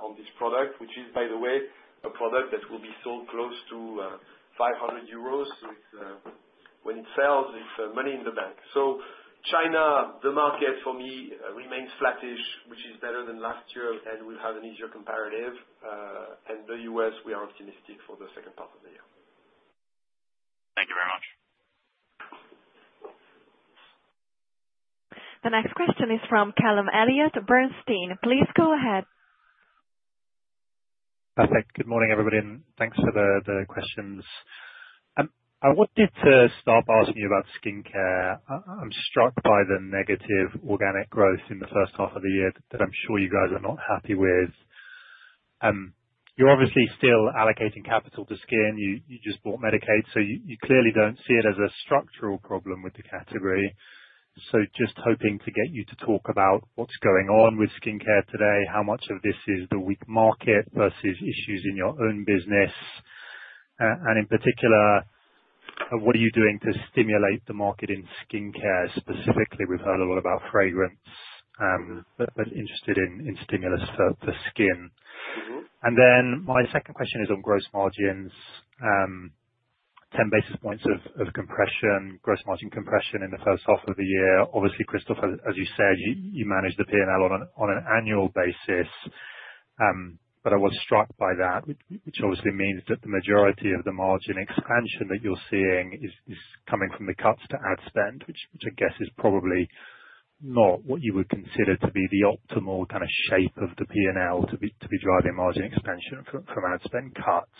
on this product, which is, by the way, a product that will be sold close to 500 euros. When it sells, it's money in the bank. China, the market for me remains flattish, which is better than last year, and we'll have an easier comparative. The U.S., we are optimistic for the second part of the year. Thank you very much. The next question is from Callum Elliott, Bernstein. Please go ahead. Perfect. Good morning, everybody. Thanks for the questions. I wanted to start by asking you about skincare. I'm struck by the negative organic growth in the first half of the year that I'm sure you guys are not happy with. You're obviously still allocating capital to skin. You just bought Medik8. You clearly don't see it as a structural problem with the category. Just hoping to get you to talk about what's going on with skincare today, how much of this is the weak market versus issues in your own business. In particular, what are you doing to stimulate the market in skincare? Specifically, we've heard a lot about fragrance, but interested in stimulus for skin. My second question is on gross margins, 10 basis points of compression, gross margin compression in the first half of the year. Obviously, Christophe, as you said, you manage the P&L on an annual basis. I was struck by that, which obviously means that the majority of the margin expansion that you're seeing is coming from the cuts to ad spend, which I guess is probably not what you would consider to be the optimal kind of shape of the P&L to be driving margin expansion from ad spend cuts.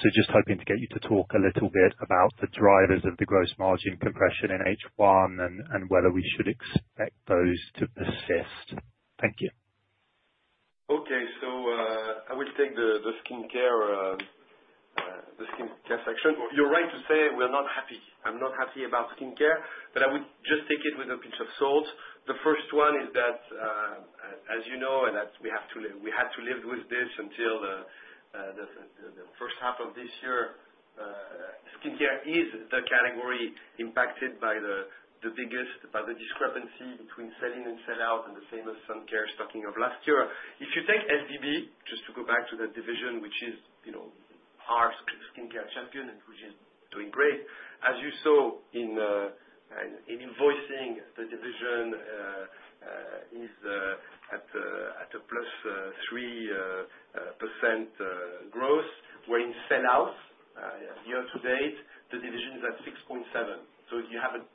Just hoping to get you to talk a little bit about the drivers of the gross margin compression in H1 and whether we should expect those to persist. Thank you. Okay. I will take the skincare section. You're right to say we're not happy. I'm not happy about skincare, but I would just take it with a pinch of salt. The first one is that, as you know, and we had to live with this until the first half of this year, skincare is the category impacted by the biggest discrepancy between sell-in and sell-out and the famous sun care stocking of last year. If you take SBB, just to go back to that division, which is our skincare champion, which is doing great. As you saw in invoicing, the division is at a plus 3% growth, where in sell-outs, year to date, the division is at 6.7%. If you have it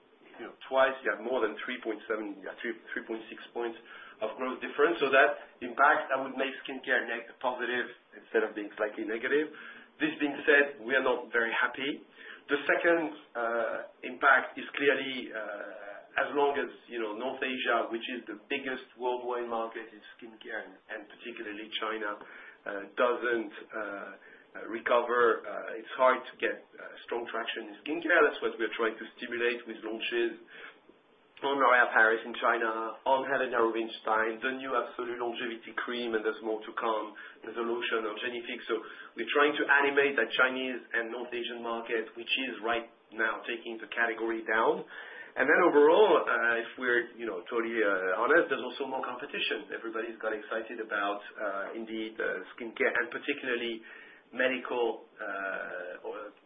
twice, you have more than 3.7, 3.6 percentage points of growth difference. That impact, I would make skincare net positive instead of being slightly negative. This being said, we are not very happy. The second impact is clearly, as long as North Asia, which is the biggest worldwide market in skincare, and particularly China, does not recover, it is hard to get strong traction in skincare. That is what we are trying to stimulate with launches on L'Oréal Paris in China, on Helena Rubinstein, the new Absolue Longevity Cream, and there is more to come, the lotion of Génifique. We are trying to animate that Chinese and North Asian market, which is right now taking the category down. Overall, if we are totally honest, there is also more competition. Everybody has got excited about, indeed, skincare, and particularly medical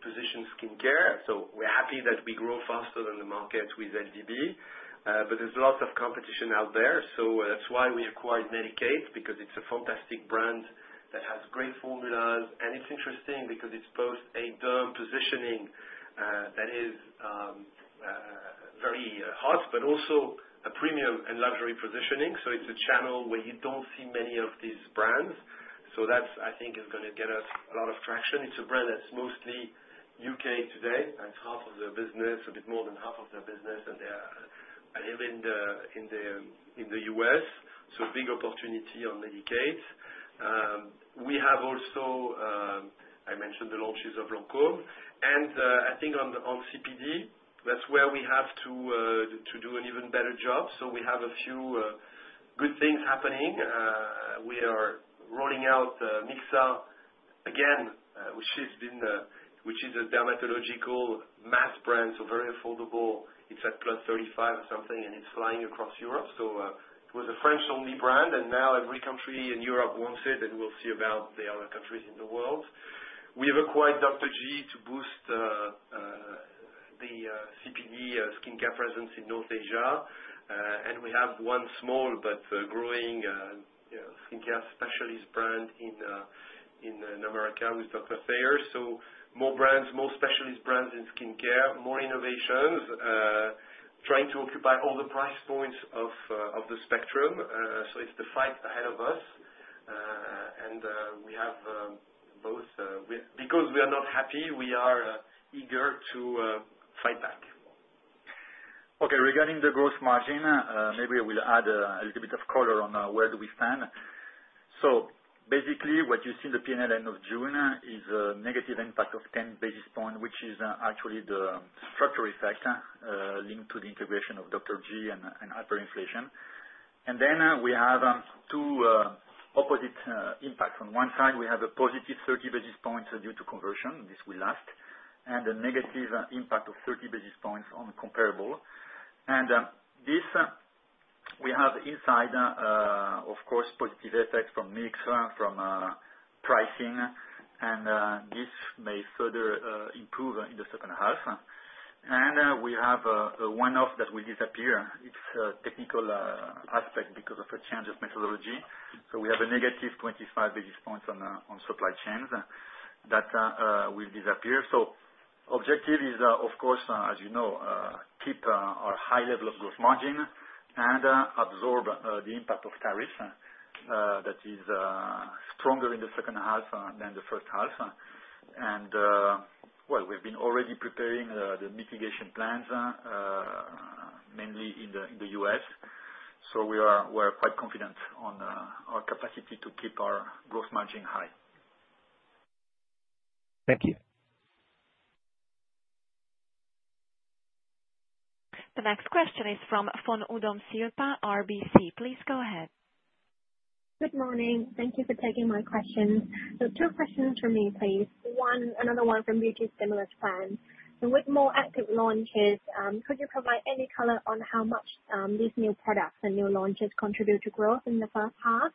position skincare. We are happy that we grow faster than the market with SBB, but there is lots of competition out there. That is why we acquired Medik8, because it is a fantastic brand that has great formulas. It's interesting because it's both a derm positioning that is very hot, but also a premium and luxury positioning. It's a channel where you do not see many of these brands. I think that is going to get us a lot of traction. It's a brand that's mostly U.K. today. That's half of their business, a bit more than half of their business, and they're in the U.S. Big opportunity on Medik8. I mentioned the launches of Lancôme. I think on CPD, that's where we have to do an even better job. We have a few good things happening. We are rolling out Mixa again, which is a dermatological mass brand, so very affordable. It's at plus 35% or something, and it's flying across Europe. It was a French-only brand, and now every country in Europe wants it, and we'll see about the other countries in the world. We've acquired Dr. G to boost the CPD skincare presence in North Asia. And we have one small but growing skincare specialist brand in America with Dr. Thayer. More brands, more specialist brands in skincare, more innovations, trying to occupy all the price points of the spectrum. It's the fight ahead of us. We have both because we are not happy, we are eager to fight back. Okay. Regarding the gross margin, maybe we'll add a little bit of color on where do we stand. Basically, what you see in the P&L end of June is a negative impact of 10 basis points, which is actually the structural effect linked to the integration of Dr. G and hyperinflation. We have two opposite impacts. On one side, we have a positive 30 basis points due to conversion. This will last. A negative impact of 30 basis points on comparable. We have inside, of course, positive effects from mix from pricing, and this may further improve in the second half. We have a one-off that will disappear. It is a technical aspect because of a change of methodology. We have a negative 25 basis points on supply chains that will disappear. Objective is, of course, as you know, keep our high level of gross margin and absorb the impact of tariffs that is stronger in the second half than the first half. We have been already preparing the mitigation plans, mainly in the U.S. We are quite confident on our capacity to keep our gross margin high. Thank you. The next question is from Fon Udomsilpa, RBC. Please go ahead. Good morning. Thank you for taking my questions. Two questions for me, please. One, another one from Beauty Stimulus Plan. With more active launches, could you provide any color on how much these new products and new launches contribute to growth in the first half?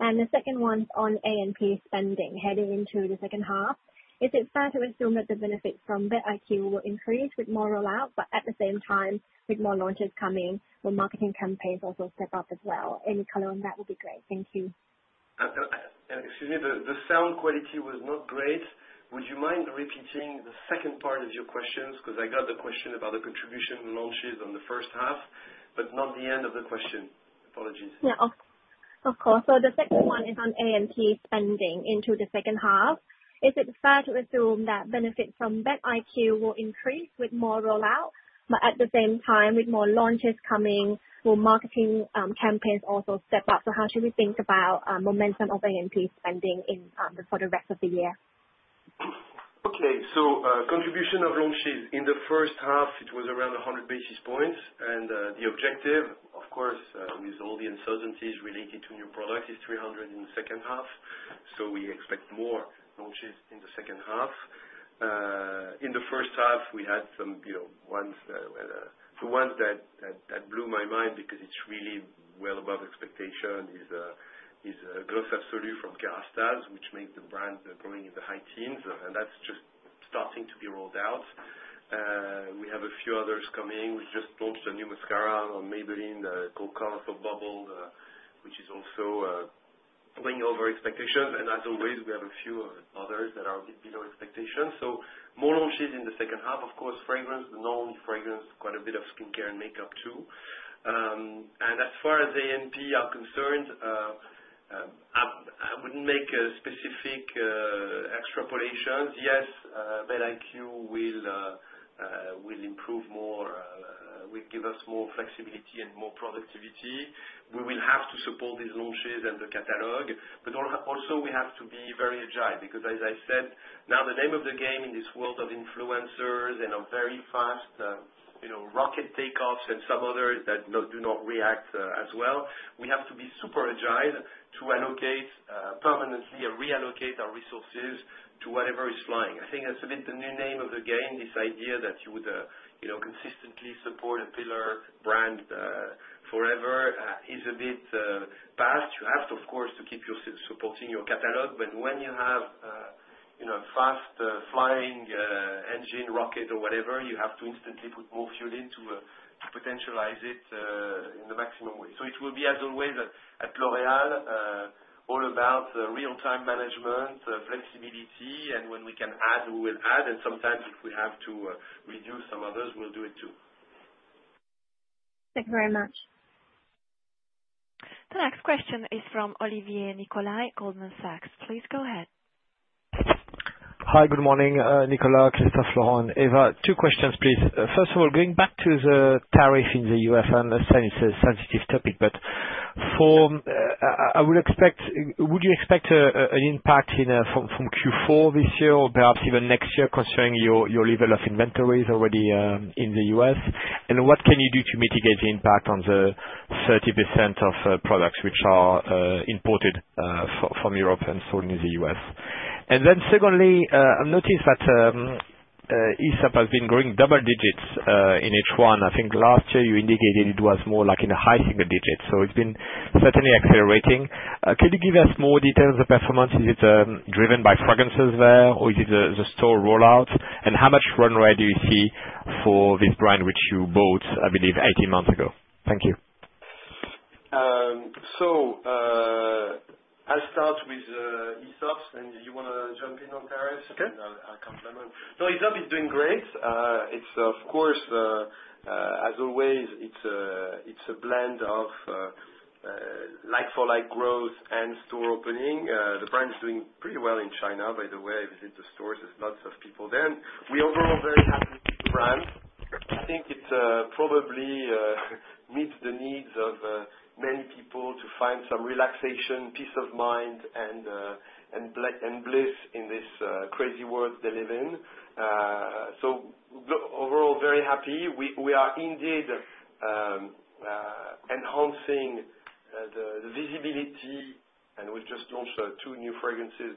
The second one is on A&P spending heading into the second half. Is it fair to assume that the benefits from BETiq will increase with more rollout, but at the same time, with more launches coming, will marketing campaigns also step up as well? Any color on that would be great. Thank you. Excuse me, the sound quality was not great. Would you mind repeating the second part of your questions? Because I got the question about the contribution launches on the first half, but not the end of the question. Apologies. Yeah, of course. The second one is on A&P spending into the second half. Is it fair to assume that benefits from BETiq will increase with more rollout, but at the same time, with more launches coming, will marketing campaigns also step up? How should we think about momentum of A&P spending for the rest of the year? Okay. So contribution of launches in the first half, it was around 100 basis points. The objective, of course, with all the uncertainties related to new products, is 300 in the second half. We expect more launches in the second half. In the first half, we had some ones that blew my mind because it's really well above expectation is Gloss Absolu from Kérastase, which makes the brand growing in the high teens. That's just starting to be rolled out. We have a few others coming. We just launched a new mascara on Maybelline called Color Show Bubble, which is also way over expectations. As always, we have a few others that are a bit below expectations. More launches in the second half, of course, fragrance, but not only fragrance, quite a bit of skincare and makeup too. As far as A&P are concerned, I would not make specific extrapolations. Yes, BETiq will improve more, will give us more flexibility and more productivity. We will have to support these launches and the catalog. Also, we have to be very agile because, as I said, now the name of the game in this world of influencers and of very fast rocket takeoffs and some others that do not react as well. We have to be super agile to allocate permanently or reallocate our resources to whatever is flying. I think that is a bit the new name of the game, this idea that you would consistently support a pillar brand forever is a bit past. You have to, of course, keep supporting your catalog. When you have a fast flying engine, rocket, or whatever, you have to instantly put more fuel in to potentialize it in the maximum way. It will be, as always, at L'Oréal, all about real-time management, flexibility. When we can add, we will add. Sometimes, if we have to reduce some others, we'll do it too. Thank you very much. The next question is from Olivier Nicolai, Goldman Sachs. Please go ahead. Hi, good morning, Nicolas, Christophe, Laurent, Eva. Two questions, please. First of all, going back to the tariff in the U.S., I understand it's a sensitive topic, but I would expect, would you expect an impact from Q4 this year or perhaps even next year concerning your level of inventories already in the U.S.? What can you do to mitigate the impact on the 30% of products which are imported from Europe and sold in the U.S.? Secondly, I've noticed that Aesop has been growing double digits in H1. I think last year you indicated it was more like in the high single digits. It's been certainly accelerating. Could you give us more details on the performance? Is it driven by fragrances there, or is it the store rollout? How much runway do you see for this brand, which you bought, I believe, 18 months ago? Thank you. I'll start with Aesop, and you want to jump in on tariffs, and I'll come to that. No, Aesop is doing great. It's, of course, as always, a blend of like-for-like growth and store opening. The brand is doing pretty well in China, by the way. I visit the stores. There's lots of people there. We're overall very happy with the brand. I think it probably meets the needs of many people to find some relaxation, peace of mind, and bliss in this crazy world they live in. Overall, very happy. We are indeed enhancing the visibility, and we've just launched two new fragrances.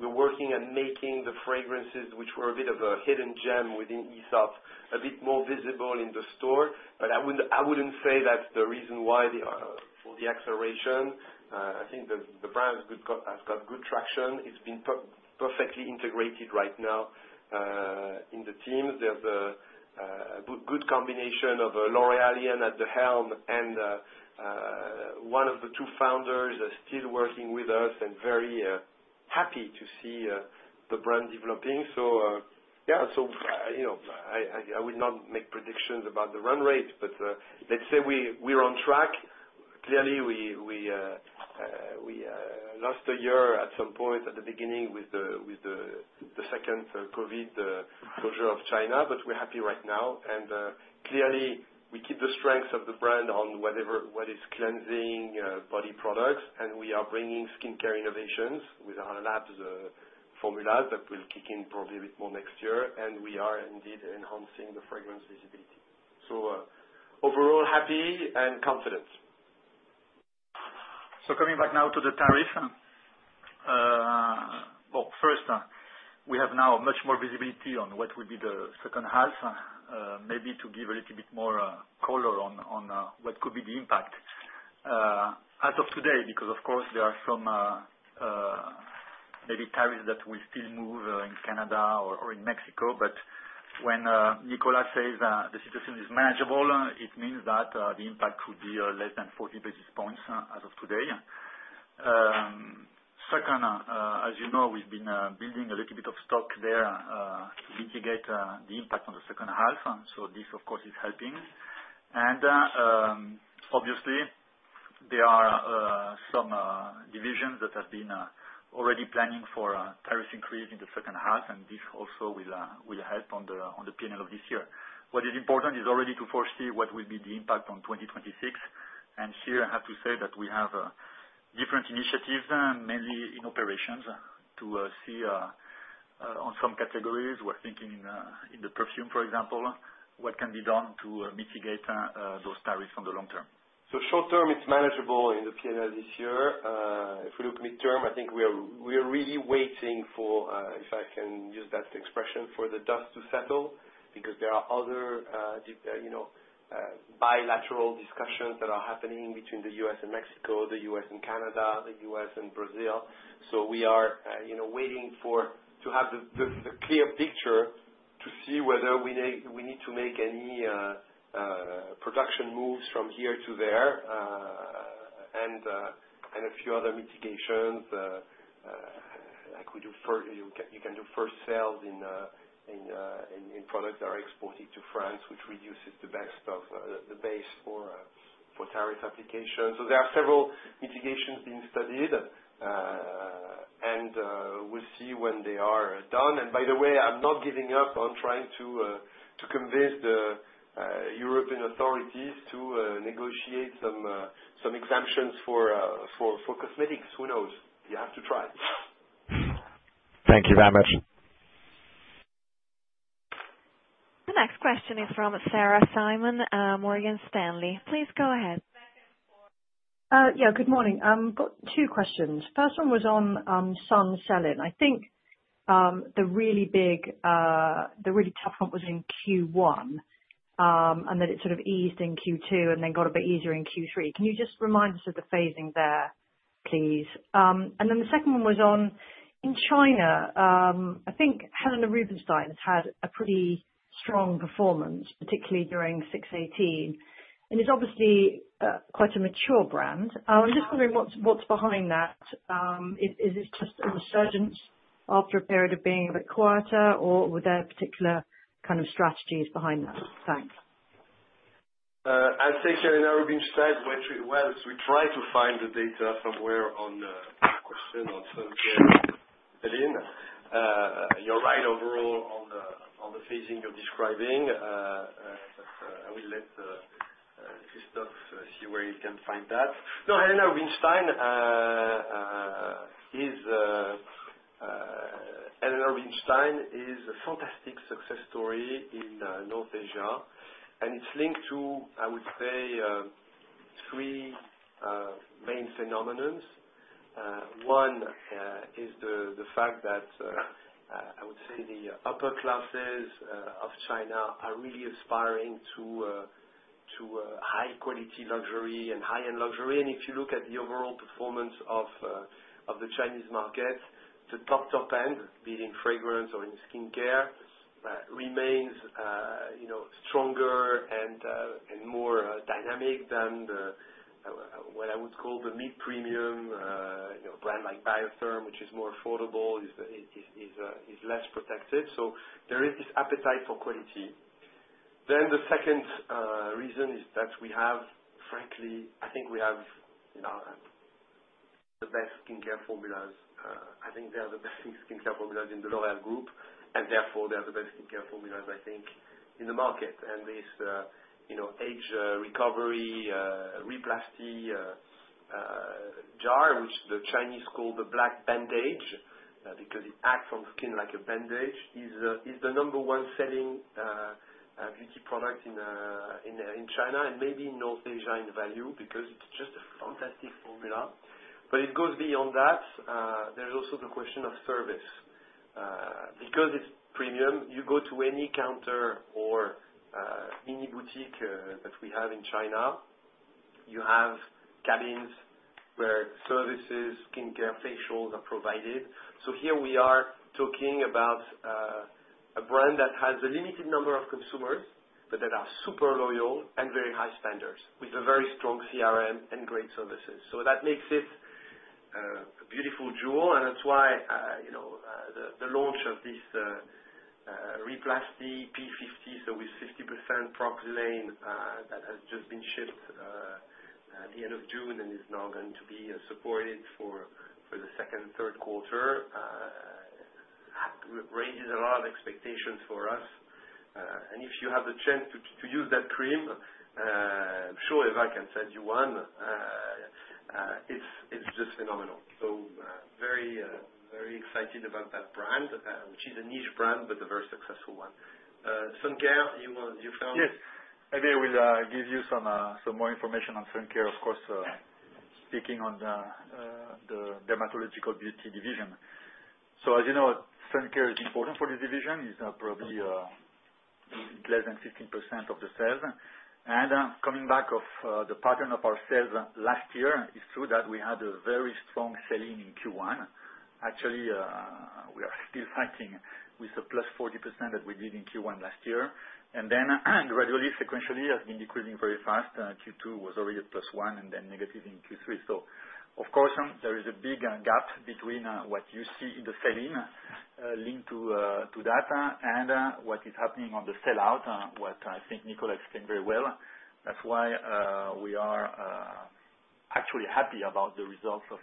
We're working on making the fragrances, which were a bit of a hidden gem within Aesop, a bit more visible in the store. I wouldn't say that's the reason why for the acceleration. I think the brand has got good traction. It's been perfectly integrated right now in the teams. There's a good combination of L'Oréalien at the helm and one of the two founders still working with us and very happy to see the brand developing. Yeah, I would not make predictions about the run rate, but let's say we're on track. Clearly, we lost a year at some point at the beginning with the second COVID closure of China, but we're happy right now. Clearly, we keep the strength of the brand on what is cleansing body products, and we are bringing skincare innovations with our labs formulas that will kick in probably a bit more next year. We are indeed enhancing the fragrance visibility. Overall, happy and confident. Coming back now to the tariff. First, we have now much more visibility on what will be the second half, maybe to give a little bit more color on what could be the impact as of today, because, of course, there are some maybe tariffs that will still move in Canada or in Mexico. When Nicolas says the situation is manageable, it means that the impact would be less than 40 basis points as of today. Second, as you know, we've been building a little bit of stock there to mitigate the impact on the second half. This, of course, is helping. Obviously, there are some divisions that have been already planning for tariff increase in the second half, and this also will help on the P&L of this year. What is important is already to foresee what will be the impact on 2026. Here, I have to say that we have different initiatives, mainly in operations, to see on some categories. We're thinking in the perfume, for example, what can be done to mitigate those tariffs on the long term. Short term, it's manageable in the P&L this year. If we look midterm, I think we are really waiting for, if I can use that expression, for the dust to settle, because there are other bilateral discussions that are happening between the U.S. and Mexico, the U.S. and Canada, the U.S. and Brazil. We are waiting to have the clear picture to see whether we need to make any production moves from here to there and a few other mitigations like you can do first sales in products that are exported to France, which reduces the base for tariff applications. There are several mitigations being studied, and we'll see when they are done. By the way, I'm not giving up on trying to convince the European authorities to negotiate some exemptions for cosmetics. Who knows? You have to try. Thank you very much. The next question is from Sarah Simon, Morgan Stanley. Please go ahead. Yeah, good morning. I've got two questions. First one was on sun selling. I think the really big, the really tough one was in Q1 and that it sort of eased in Q2 and then got a bit easier in Q3. Can you just remind us of the phasing there, please? The second one was on in China. I think Helena Rubinstein has had a pretty strong performance, particularly during 6/18, and is obviously quite a mature brand. I'm just wondering what's behind that. Is it just a resurgence after a period of being a bit quieter, or were there particular kind of strategies behind that? Thanks. As I said, Helena Rubinstein, we tried to find the data somewhere on the question on Sunset Berlin. You're right overall on the phasing you're describing, but I will let Christophe see where he can find that. No, Helena Rubinstein is a fantastic success story in North Asia, and it's linked to, I would say, three main phenomenons. One is the fact that, I would say, the upper classes of China are really aspiring to high-quality luxury and high-end luxury. If you look at the overall performance of the Chinese market, the top, top end, being in fragrance or in skincare, remains stronger and more dynamic than what I would call the mid-premium brand like Biotherm, which is more affordable, is less protected. There is this appetite for quality. The second reason is that we have, frankly, I think we have the best skincare formulas. I think they are the best skincare formulas in the L'Oréal group, and therefore, they are the best skincare formulas, I think, in the market. This Age Recovery Re-Plasty jar, which the Chinese call the black bandage because it acts on skin like a bandage, is the number one selling beauty product in China and maybe in North Asia in value because it's just a fantastic formula. It goes beyond that. There is also the question of service. Because it's premium, you go to any counter or mini boutique that we have in China, you have cabins where services, skincare, facials are provided. Here we are talking about a brand that has a limited number of consumers, but that are super loyal and very high standards, with a very strong CRM and great services. That makes it a beautiful jewel, and that is why the launch of this Re-Plasty P50, with 50% Pro-Xylane, that has just been shipped at the end of June and is now going to be supported for the second, third quarter, raises a lot of expectations for us. If you have the chance to use that cream, I am sure Eva can send you one. It is just phenomenal. Very excited about that brand, which is a niche brand, but a very successful one. sun-care, you found? Yes. Maybe I will give you some more information on sun-care, of course, speaking on the Dermatological Beauty division. As you know, sun-care is important for this division. It's probably less than 15% of the sales. Coming back to the pattern of our sales last year, it's true that we had a very strong sell-in in Q1. Actually, we are still fighting with the plus 40% that we did in Q1 last year. Gradually, sequentially, it has been decreasing very fast. Q2 was already at plus 1% and then negative in Q3. There is a big gap between what you see in the sell-in linked to data and what is happening on the sell-out, which I think Nicolas explained very well. That's why we are actually happy about the results of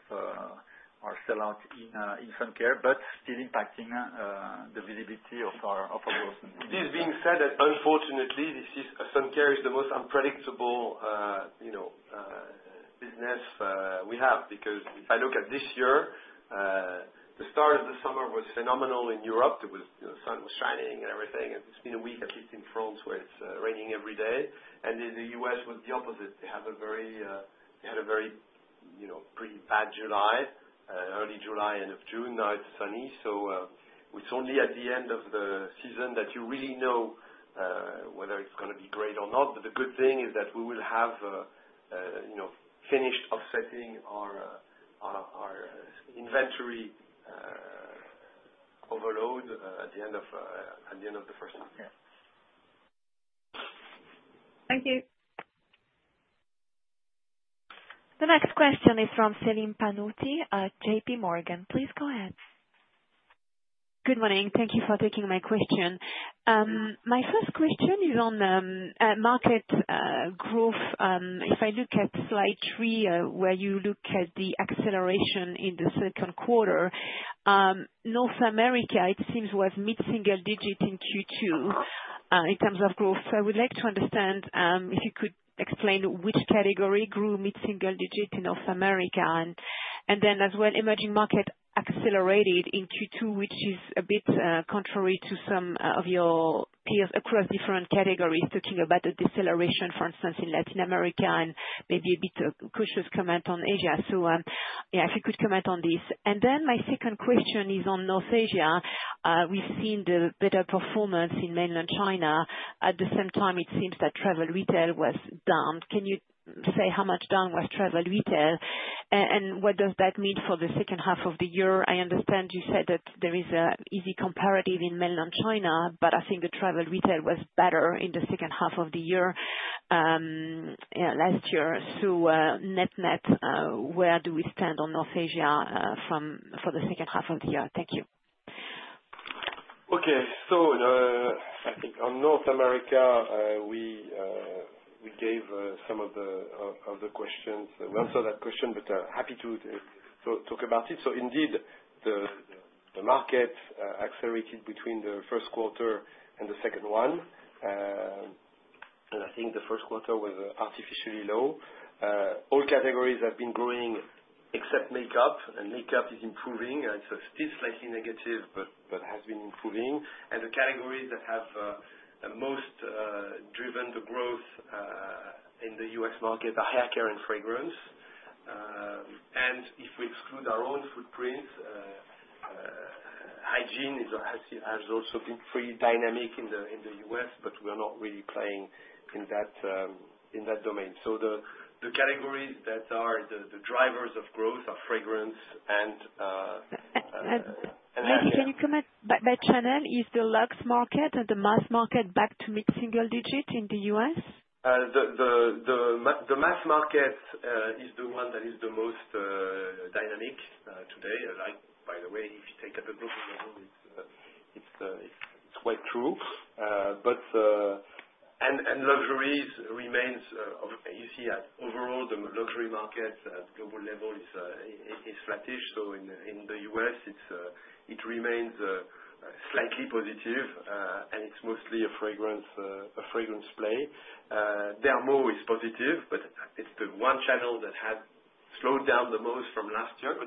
our sell-out in suncare, but still impacting the visibility of our growth. This being said, unfortunately, sun-care is the most unpredictable business we have because if I look at this year, the start of the summer was phenomenal in Europe. The sun was shining and everything. It has been a week, at least in France, where it is raining every day. In the U.S., it was the opposite. They had a very pretty bad July, early July, end of June. Now it is sunny. It is only at the end of the season that you really know whether it is going to be great or not. The good thing is that we will have finished offsetting our inventory overload at the end of the first half. Thank you. The next question is from Celine Pannuti, JPMorgan. Please go ahead. Good morning. Thank you for taking my question. My first question is on market growth. If I look at slide three, where you look at the acceleration in the second quarter, North America, it seems, was mid-single digit in Q2 in terms of growth. I would like to understand if you could explain which category grew mid-single digit in North America. Emerging market accelerated in Q2, which is a bit contrary to some of your peers across different categories, talking about the deceleration, for instance, in Latin America, and maybe a bit of a cautious comment on Asia. If you could comment on this. My second question is on North Asia. We have seen the better performance in Mainland China. At the same time, it seems that travel retail was down. Can you say how much down was travel retail? What does that mean for the second half of the year? I understand you said that there is an easy comparative in Mainland China, but I think the travel retail was better in the second half of the year last year. Net net, where do we stand on North Asia for the second half of the year? Thank you. Okay. I think on North America, we gave some of the questions. We answered that question, but happy to talk about it. Indeed, the market accelerated between the first quarter and the second one. I think the first quarter was artificially low. All categories have been growing except makeup, and makeup is improving. It is still slightly negative, but has been improving. The categories that have most driven the growth in the U.S. market are hair care and fragrance. If we exclude our own footprints, hygiene has also been pretty dynamic in the U.S., but we are not really playing in that domain. The categories that are the drivers of growth are fragrance and hair care. Can you comment? That channel is the luxe market and the mass market back to mid-single digit in the U.S.? The mass market is the one that is the most dynamic today. By the way, if you take a look at the global level, it's quite true. Luxuries remains, you see, overall, the luxury market at global level is flattish. In the US, it remains slightly positive, and it's mostly a fragrance play. Dermo is positive, but it's the one channel that has slowed down the most from last year, but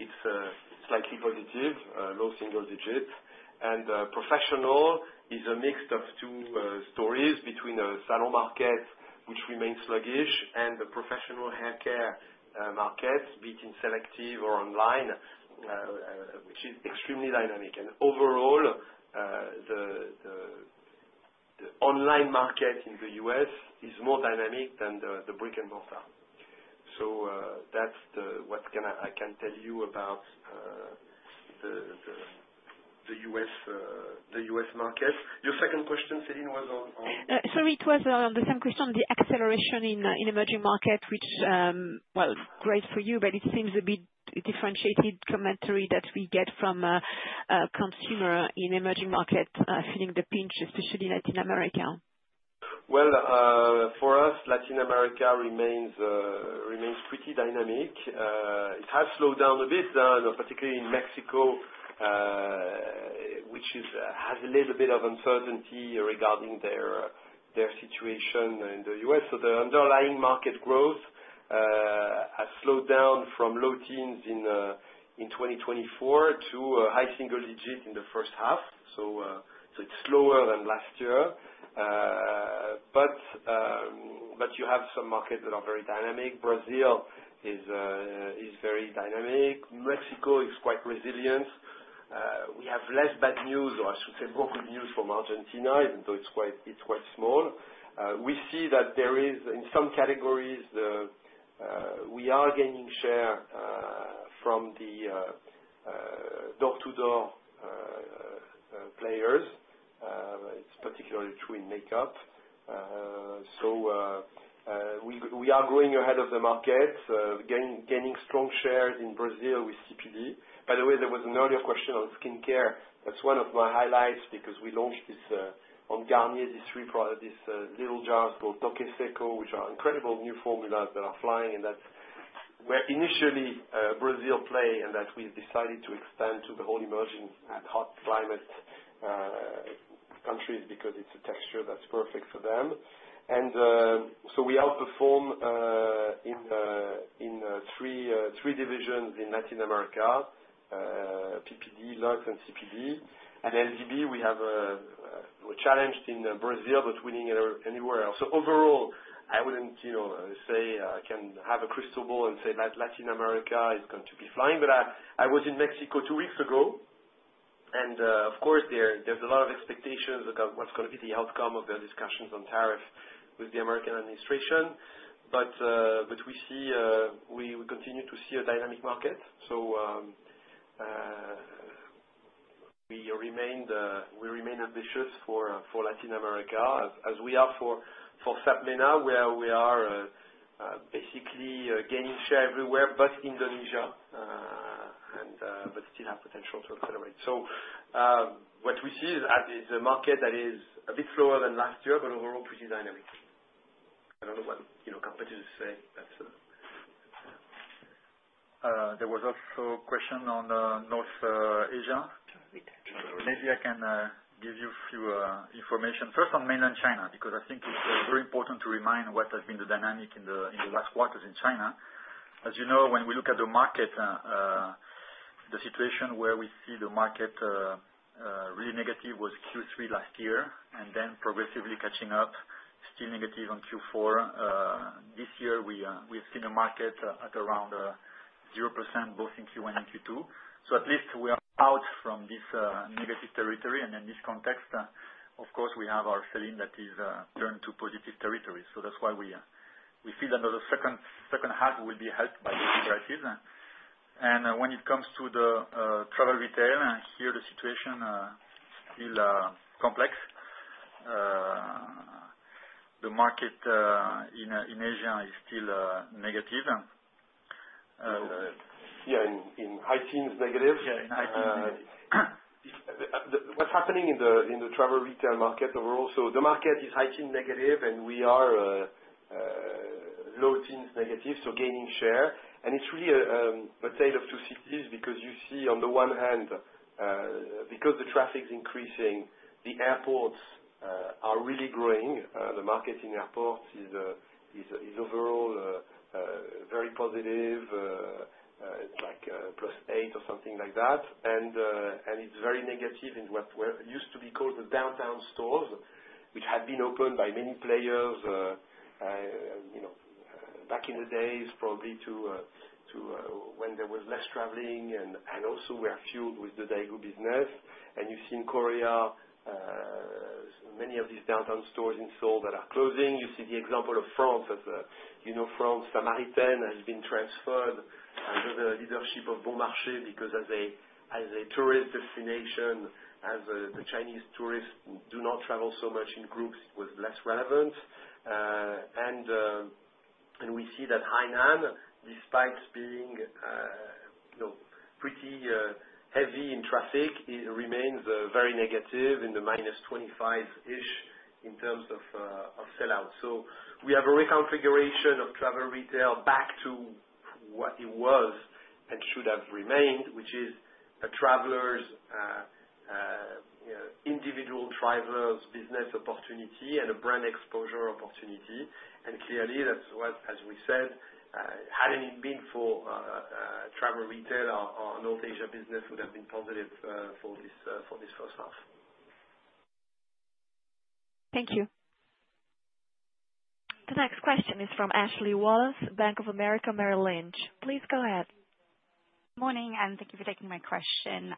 it's slightly positive, low single digit. Professional is a mix of two stories between a salon market, which remains sluggish, and the professional hair care market, be it in selective or online, which is extremely dynamic. Overall, the online market in the U.S. is more dynamic than the brick and mortar. That's what I can tell you about the U.S. market. Your second question, Celine, was on? Sorry, it was on the same question, the acceleration in emerging market, which, great for you, but it seems a bit differentiated commentary that we get from a consumer in emerging markets feeling the pinch, especially in Latin America. Latin America remains pretty dynamic. It has slowed down a bit, particularly in Mexico, which has a little bit of uncertainty regarding their situation in the U.S. The underlying market growth has slowed down from low teens in 2024 to high single digit in the first half. It is slower than last year. You have some markets that are very dynamic. Brazil is very dynamic. Mexico is quite resilient. We have less bad news, or I should say more good news from Argentina, even though it is quite small. We see that there is, in some categories, we are gaining share from the door-to-door players. It is particularly true in makeup. We are growing ahead of the market, gaining strong share in Brazil with CPD. By the way, there was an earlier question on skincare. That's one of my highlights because we launched on Garnier these three little jars called Toque Seco, which are incredible new formulas that are flying. That is where initially Brazil played, and that we decided to expand to the whole emerging and hot climate countries because it's a texture that's perfect for them. We outperform in three divisions in Latin America: PPD, Luxe, and CPD. LDB, we have challenged in Brazil, but winning anywhere else. Overall, I wouldn't say I can have a crystal ball and say Latin America is going to be flying. I was in Mexico two weeks ago, and of course, there's a lot of expectations about what's going to be the outcome of the discussions on tariffs with the American administration. We continue to see a dynamic market. We remain ambitious for Latin America, as we are for SAPMENA, where we are basically gaining share everywhere but Indonesia, but still have potential to accelerate. What we see is a market that is a bit slower than last year, but overall, pretty dynamic. I do not know what competitors say. There was also a question on North Asia. Maybe I can give you a few information. First, on Mainland China, because I think it is very important to remind what has been the dynamic in the last quarters in China. As you know, when we look at the market, the situation where we see the market really negative was Q3 last year, and then progressively catching up, still negative on Q4. This year, we have seen a market at around 0% both in Q1 and Q2. At least we are out from this negative territory. In this context, of course, we have our sell-in that is turned to positive territory. That is why we feel that the second half will be helped by these prices. When it comes to the travel retail, here, the situation is still complex. The market in Asia is still negative. Yeah, in high teens, negative. Yeah, in high teens, negative. What's happening in the travel retail market overall? The market is high teens negative, and we are low teens negative, so gaining share. It is really a tale of two cities because you see, on the one hand, because the traffic is increasing, the airports are really growing. The market in airports is overall very positive, like plus 8% or something like that. It is very negative in what used to be called the downtown stores, which had been opened by many players back in the days, probably when there was less traveling and also were fueled with the Daegu business. You see in Korea, many of these downtown stores in Seoul that are closing. You see the example of France. You know France, Samaritaine, has been transferred under the leadership of Bon Marché because, as a tourist destination, as the Chinese tourists do not travel so much in groups, it was less relevant. We see that Hainan, despite being pretty heavy in traffic, remains very negative in the -25% in terms of sellout. We have a reconfiguration of travel retail back to what it was and should have remained, which is a travelers, individual travelers, business opportunity, and a brand exposure opportunity. Clearly, that's what, as we said, hadn't it been for travel retail, our North Asia business would have been positive for this first half. Thank you. The next question is from Ashley Wallace, Bank of America Merrill Lynch. Please go ahead. Good morning, and thank you for taking my question.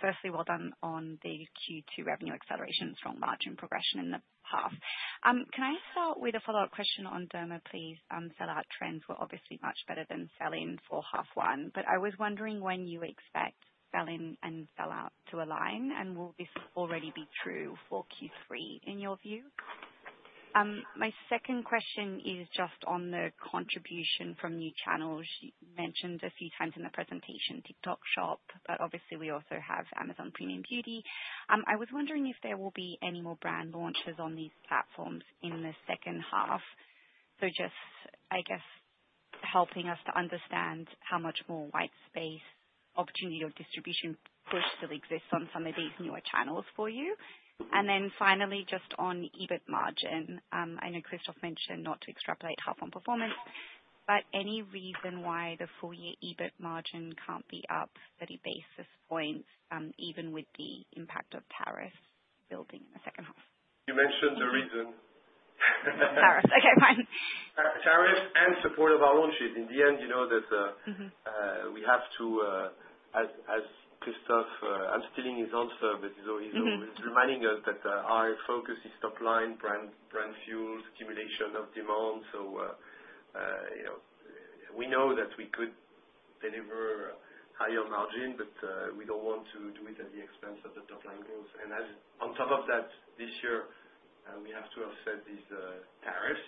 Firstly, well done on the Q2 revenue acceleration and strong margin progression in the past. Can I start with a follow-up question on Derma, please? Sell-out trends were obviously much better than sell-in for half one. I was wondering when you expect sell-in and sell-out to align, and will this already be true for Q3 in your view? My second question is just on the contribution from new channels. You mentioned a few times in the presentation TikTok Shop, but obviously, we also have Amazon Premium Beauty. I was wondering if there will be any more brand launches on these platforms in the second half. Just, I guess, helping us to understand how much more white space opportunity or distribution push still exists on some of these newer channels for you. Finally, just on EBIT margin, I know Christophe mentioned not to extrapolate half on performance, but any reason why the full year EBIT margin cannot be up 30 basis points, even with the impact of tariffs building in the second half? You mentioned the reason. Tariffs. Okay, fine. Tariffs and support of our own ship. In the end, you know that we have to, as Christophe, I'm stealing his answer, but he's reminding us that our focus is top line, brand fuel, stimulation of demand. We know that we could deliver higher margin, but we do not want to do it at the expense of the top line growth. On top of that, this year, we have to offset these tariffs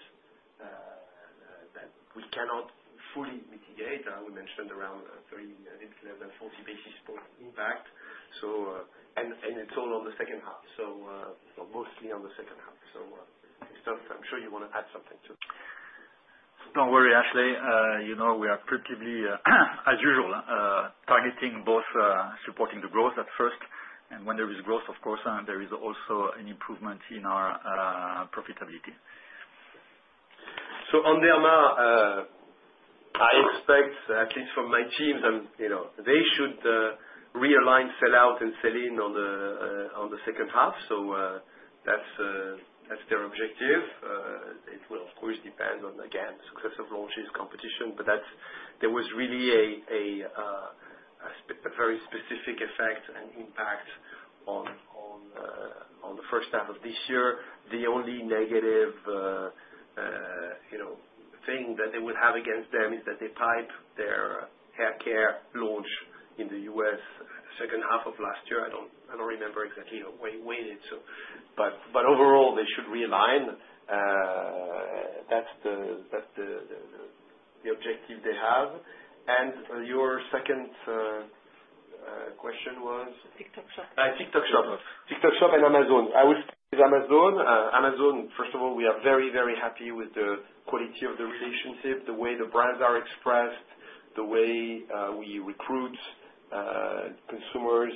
that we cannot fully mitigate. We mentioned around 30, a little less than 40 basis points impact. It is all on the second half. Mostly on the second half. Christophe, I'm sure you want to add something to it. Don't worry, Ashley. We are preemptively, as usual, targeting both supporting the growth at first. When there is growth, of course, there is also an improvement in our profitability. On Derma, I expect, at least from my teams, they should realign sell-out and sell-in in the second half. That is their objective. It will, of course, depend on, again, successive launches, competition. There was really a very specific effect and impact on the first half of this year. The only negative thing that they would have against them is that they piped their hair care launch in the U.S. second half of last year. I do not remember exactly when it. Overall, they should realign. That is the objective they have. Your second question was? TikTok Shop. TikTok Shop. TikTok Shop and Amazon. I would say Amazon. Amazon, first of all, we are very, very happy with the quality of the relationship, the way the brands are expressed, the way we recruit consumers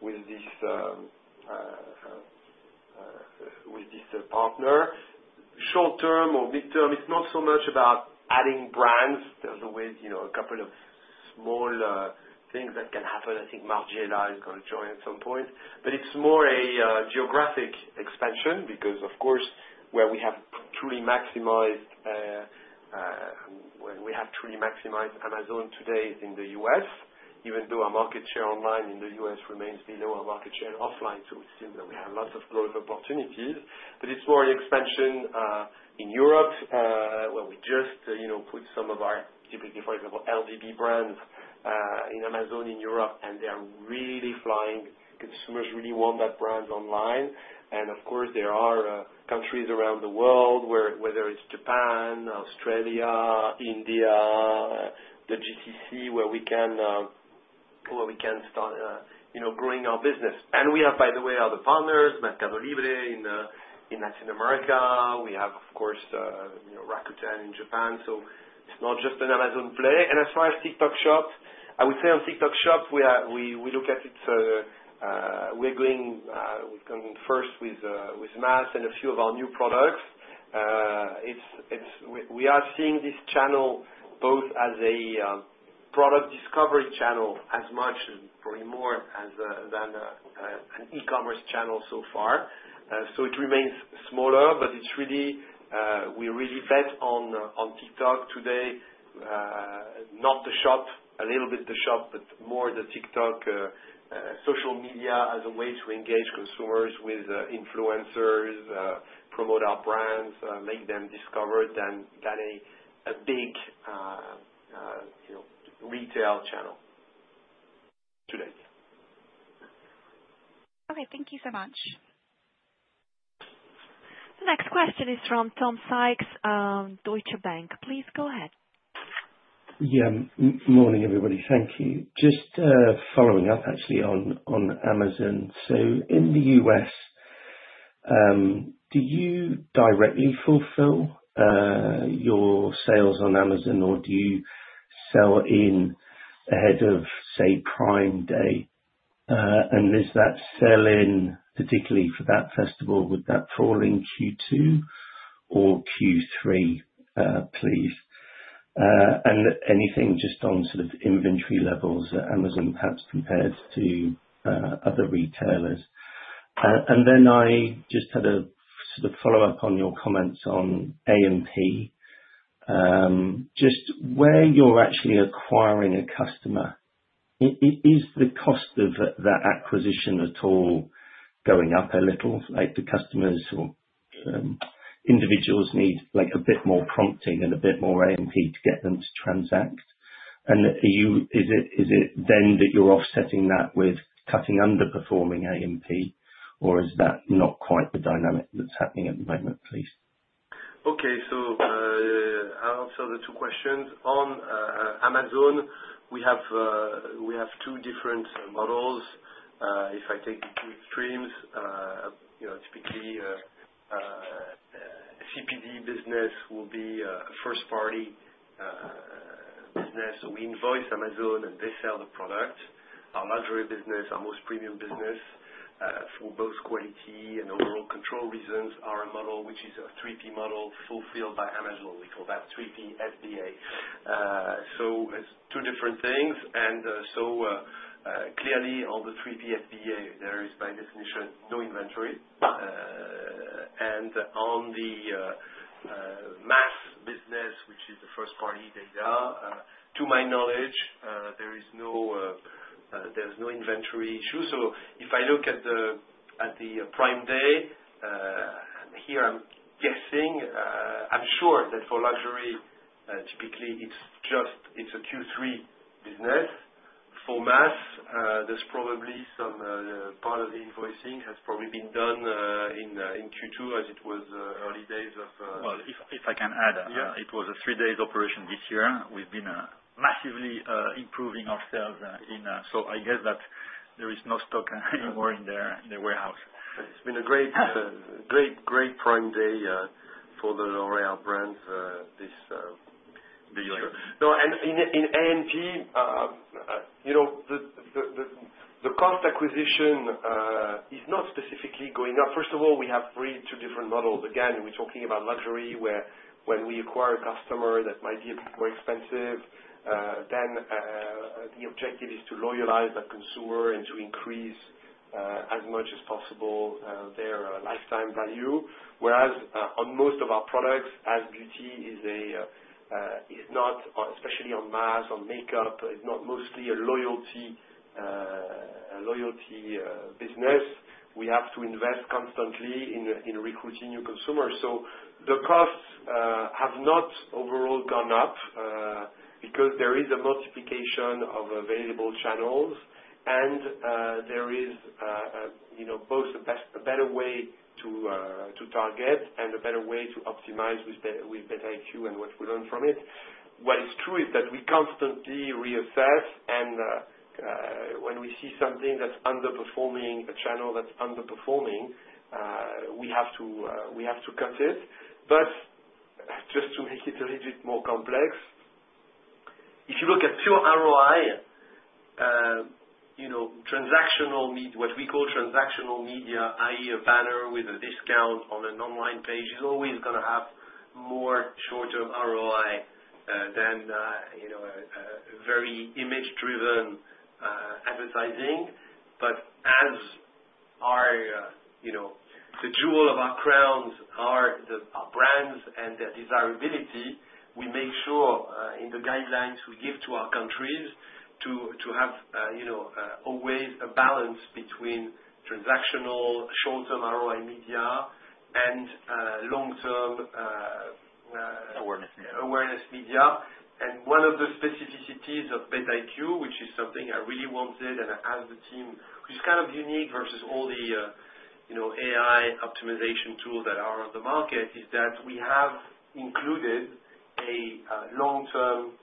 with this partner. Short term or mid term, it's not so much about adding brands. There's always a couple of small things that can happen. I think Margiela is going to join at some point. It's more a geographic expansion because, of course, where we have truly maximized Amazon today is in the U.S., even though our market share online in the U.S. remains below our market share offline. It seems that we have lots of growth opportunities. It's more an expansion in Europe, where we just put some of our, typically, for example, LDB brands in Amazon in Europe, and they're really flying. Consumers really want that brand online. Of course, there are countries around the world, whether it's Japan, Australia, India, the GCC, where we can start growing our business. We have, by the way, other partners, Mercado Libre in Latin America. We have, of course, Rakuten in Japan. It is not just an Amazon play. As far as TikTok Shop, I would say on TikTok Shop, we look at it, we are going first with mass and a few of our new products. We are seeing this channel both as a product discovery channel as much as, probably more than, an e-commerce channel so far. It remains smaller, but we really bet on TikTok today, not the shop, a little bit the shop, but more the TikTok social media as a way to engage consumers with influencers, promote our brands, make them discover than a big retail channel today. Okay, thank you so much. The next question is from Tom Sykes, Deutsche Bank. Please go ahead. Yeah, morning, everybody. Thank you. Just following up, actually, on Amazon. In the U.S., do you directly fulfill your sales on Amazon, or do you sell in ahead of, say, Prime Day? Is that selling, particularly for that festival, would that fall in Q2 or Q3, please? Anything just on sort of inventory levels at Amazon, perhaps compared to other retailers? I just had a sort of follow-up on your comments on AMP. Where you're actually acquiring a customer, is the cost of that acquisition at all going up a little? The customers or individuals need a bit more prompting and a bit more AMP to get them to transact. Is it then that you're offsetting that with cutting underperforming AMP, or is that not quite the dynamic that's happening at the moment, please? Okay, so I'll answer the two questions. On Amazon, we have two different models. If I take the two extremes, typically, CPD business will be a first-party business. We invoice Amazon, and they sell the product. Our luxury business, our most premium business, for both quality and overall control reasons, our model, which is a 3P model, fulfilled by Amazon. We call that 3P FBA. It is two different things. Clearly, on the 3P FBA, there is, by definition, no inventory. On the mass business, which is the first-party data, to my knowledge, there is no inventory issue. If I look at the Prime Day, here, I'm guessing, I'm sure that for luxury, typically, it's a Q3 business. For mass, there's probably some part of the invoicing has probably been done in Q2, as it was early days of. If I can add, it was a three-day operation this year. We've been massively improving our sales. I guess that there is no stock anymore in the warehouse. It's been a great Prime Day for the L'Oréal brands this year. In AMP, the cost acquisition is not specifically going up. First of all, we have three two different models. Again, we're talking about luxury, where when we acquire a customer, that might be a bit more expensive. The objective is to loyalize that consumer and to increase as much as possible their lifetime value. Whereas on most of our products, as beauty is not, especially on mass, on makeup, it's not mostly a loyalty business, we have to invest constantly in recruiting new consumers. The costs have not overall gone up because there is a multiplication of available channels, and there is both a better way to target and a better way to optimize with BETiq and what we learn from it. What is true is that we constantly reassess, and when we see something that's underperforming, a channel that's underperforming, we have to cut it. Just to make it a little bit more complex, if you look at pure ROI, transactional media, what we call transactional media, i.e., a banner with a discount on an online page, is always going to have more short-term ROI than very image-driven advertising. As the jewel of our crowns are our brands and their desirability, we make sure in the guidelines we give to our countries to have always a balance between transactional short-term ROI media and long-term. Awareness media. Awareness media. One of the specificities of BETiq, which is something I really wanted, and I asked the team, which is kind of unique versus all the AI optimization tools that are on the market, is that we have included a long-term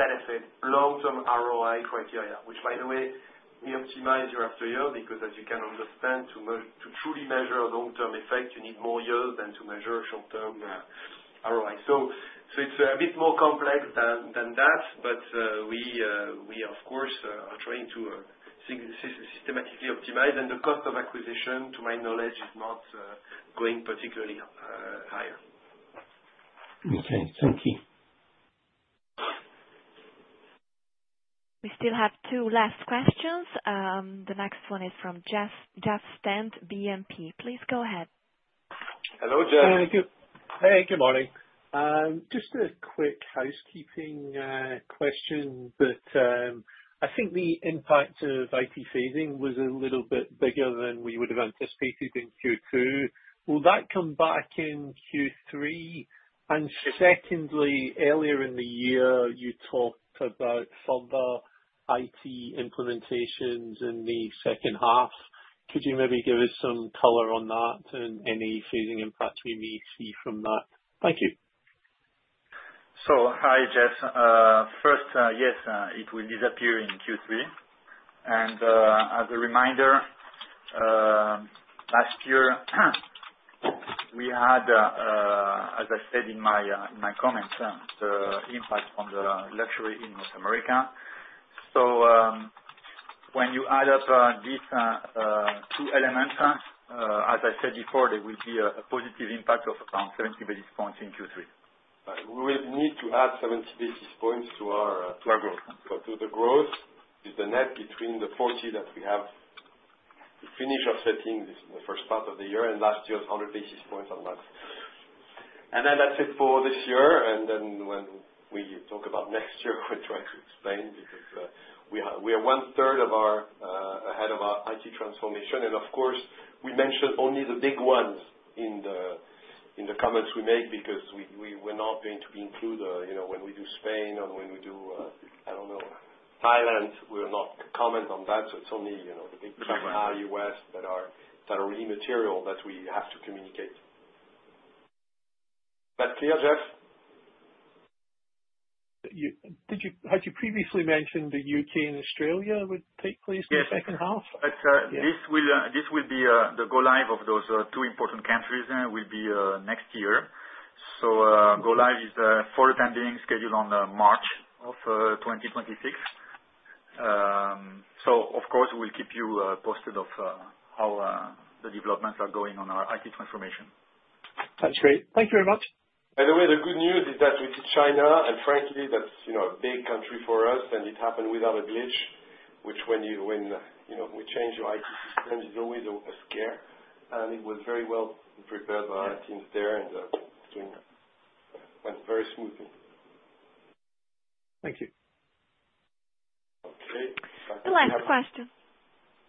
benefit, long-term ROI criteria, which, by the way, we optimize year after year because, as you can understand, to truly measure long-term effect, you need more years than to measure short-term ROI. It is a bit more complex than that, but we, of course, are trying to systematically optimize, and the cost of acquisition, to my knowledge, is not going particularly higher. Okay, thank you. We still have two last questions. The next one is from Jeff Stent, BNP. Please go ahead. Hello, Jeff. Hey, good morning. Just a quick housekeeping question, but I think the impact of IT phasing was a little bit bigger than we would have anticipated in Q2. Will that come back in Q3? Secondly, earlier in the year, you talked about further IT implementations in the second half. Could you maybe give us some color on that and any phasing impacts we may see from that? Thank you. Hi, Jeff. First, yes, it will disappear in Q3. As a reminder, last year, we had, as I said in my comments, the impact on the luxury in North America. When you add up these two elements, as I said before, there will be a positive impact of around 70 basis points in Q3. We will need to add 70 basis points to our growth. To the growth is the net between the 40 that we have to finish offsetting the first part of the year and last year's 100 basis points on that. That is it for this year. When we talk about next year, we will try to explain because we are one-third ahead of our IT transformation. Of course, we mentioned only the big ones in the comments we make because we are not going to include when we do Spain or when we do, I do not know, Thailand, we are not commenting on that. It is only the big U.S. that are really material that we have to communicate. That is clear, Jeff? Had you previously mentioned that U.K. and Australia would take place in the second half? Yes. This will be the go-live of those two important countries will be next year. Go-live is forward pending scheduled on March of 2026. Of course, we'll keep you posted on how the developments are going on our IT transformation. That's great. Thank you very much. By the way, the good news is that we did China, and frankly, that's a big country for us, and it happened without a glitch, which, when we change your IT system, it's always a scare. It was very well prepared by our teams there, and it went very smoothly. Thank you. Okay. The last question.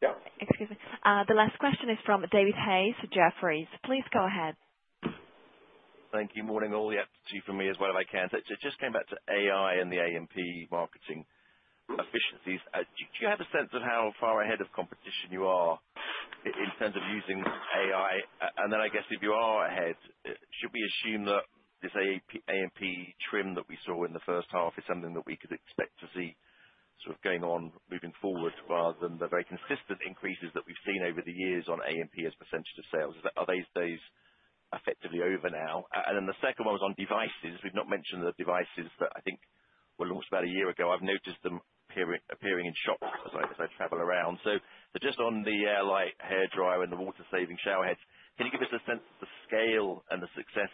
Yeah. Excuse me. The last question is from David Hayes of Jefferies. Please go ahead. Thank you. Morning all. Yeah, to you from me as well if I can. It just came back to AI and the AMP marketing efficiencies. Do you have a sense of how far ahead of competition you are in terms of using AI? I guess if you are ahead, should we assume that this AMP trim that we saw in the first half is something that we could expect to see sort of going on moving forward rather than the very consistent increases that we've seen over the years on AMP as percentage of sales? Are those days effectively over now? The second one was on devices. We've not mentioned the devices, but I think were launched about a year ago. I've noticed them appearing in shops as I travel around. They're just on the Airlight hairdryer and the water-saving showerheads. Can you give us a sense of the scale and the success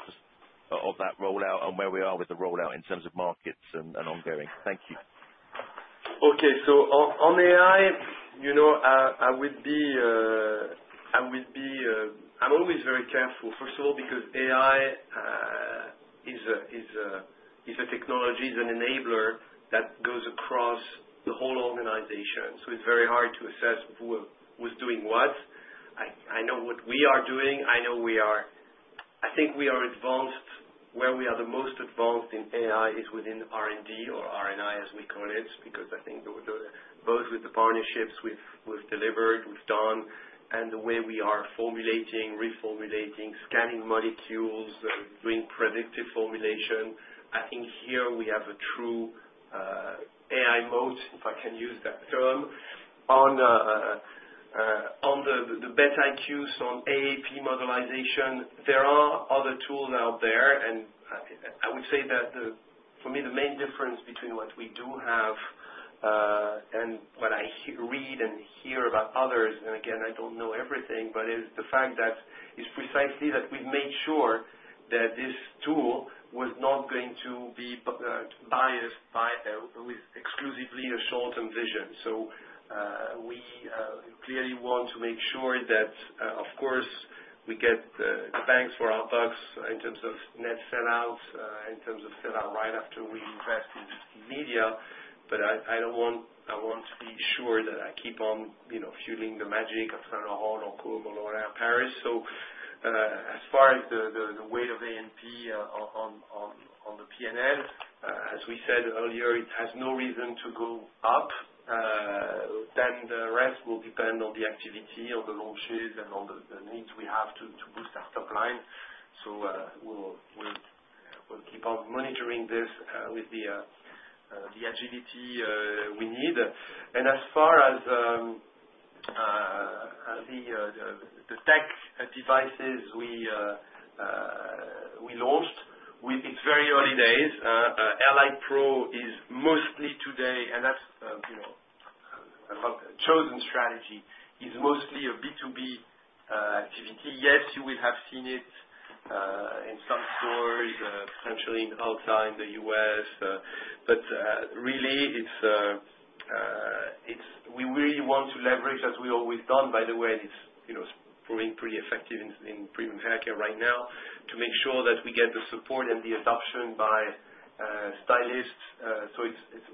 of that rollout and where we are with the rollout in terms of markets and ongoing? Thank you. Okay, so on AI, I would be, I'm always very careful, first of all, because AI is a technology, is an enabler that goes across the whole organization. It is very hard to assess who's doing what. I know what we are doing. I think we are advanced. Where we are the most advanced in AI is within R&D or RNI, as we call it, because I think both with the partnerships we've delivered, we've done, and the way we are formulating, reformulating, scanning molecules, doing predictive formulation, I think here we have a true AI moat, if I can use that term, on the BETiq, so on AAP mobilization. There are other tools out there, and I would say that for me, the main difference between what we do have and what I read and hear about others, and again, I do not know everything, but it is the fact that it is precisely that we have made sure that this tool was not going to be biased with exclusively a short-term vision. We clearly want to make sure that, of course, we get the bangs for our bucks in terms of net sellouts, in terms of sellout right after we invest in media. I want to be sure that I keep on fueling the magic of Saint Laurent or Côme or L'Oréal Paris. As far as the weight of AMP on the P&L, as we said earlier, it has no reason to go up. The rest will depend on the activity, on the launches, and on the needs we have to boost our top line. We will keep on monitoring this with the agility we need. As far as the tech devices we launched, it is very early days. Airlight Pro is mostly today, and that is a chosen strategy, mostly a B2B activity. Yes, you will have seen it in some stores, potentially outside the U.S. We really want to leverage, as we have always done, by the way, and it is proving pretty effective in premium haircare right now, to make sure that we get the support and the adoption by stylists.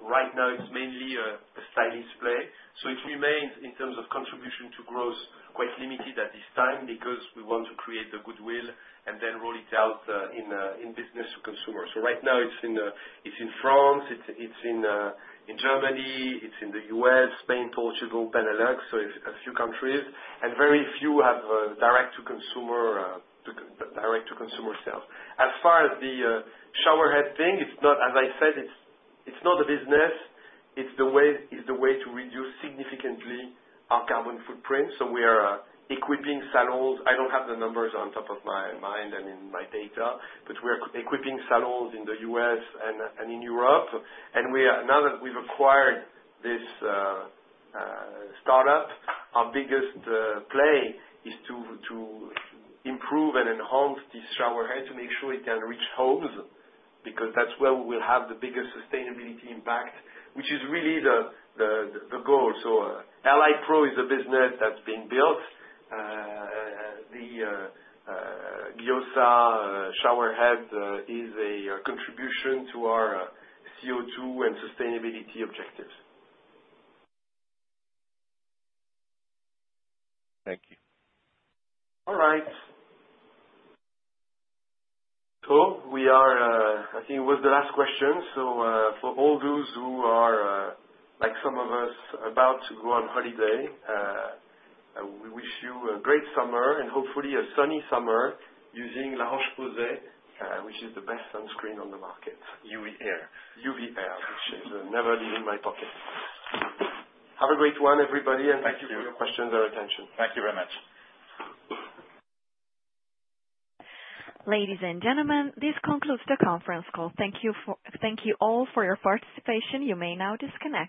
Right now, it is mainly a stylist play. It remains in terms of contribution to growth quite limited at this time because we want to create the goodwill and then roll it out in business to consumers. Right now, it's in France, it's in Germany, it's in the U.S., Spain, Portugal, Benelux, a few countries. Very few have direct-to-consumer sales. As far as the showerhead thing, as I said, it's not a business. It's the way to reduce significantly our carbon footprint. We are equipping salons. I don't have the numbers on top of my mind and in my data, but we are equipping salons in the U.S. and in Europe. Now that we've acquired this startup, our biggest play is to improve and enhance this showerhead to make sure it can reach homes because that's where we will have the biggest sustainability impact, which is really the goal. Airlight Pro is a business that's being built. The Gyoza showerhead is a contribution to our CO2 and sustainability objectives. Thank you. All right. I think it was the last question. For all those who are, like some of us, about to go on holiday, we wish you a great summer and hopefully a sunny summer using La Roche-Posay, which is the best sunscreen on the market. UV air. UV air, which is never leaving my pocket. Have a great one, everybody, and thank you for your questions and attention. Thank you very much. Ladies and gentlemen, this concludes the conference call. Thank you all for your participation. You may now disconnect.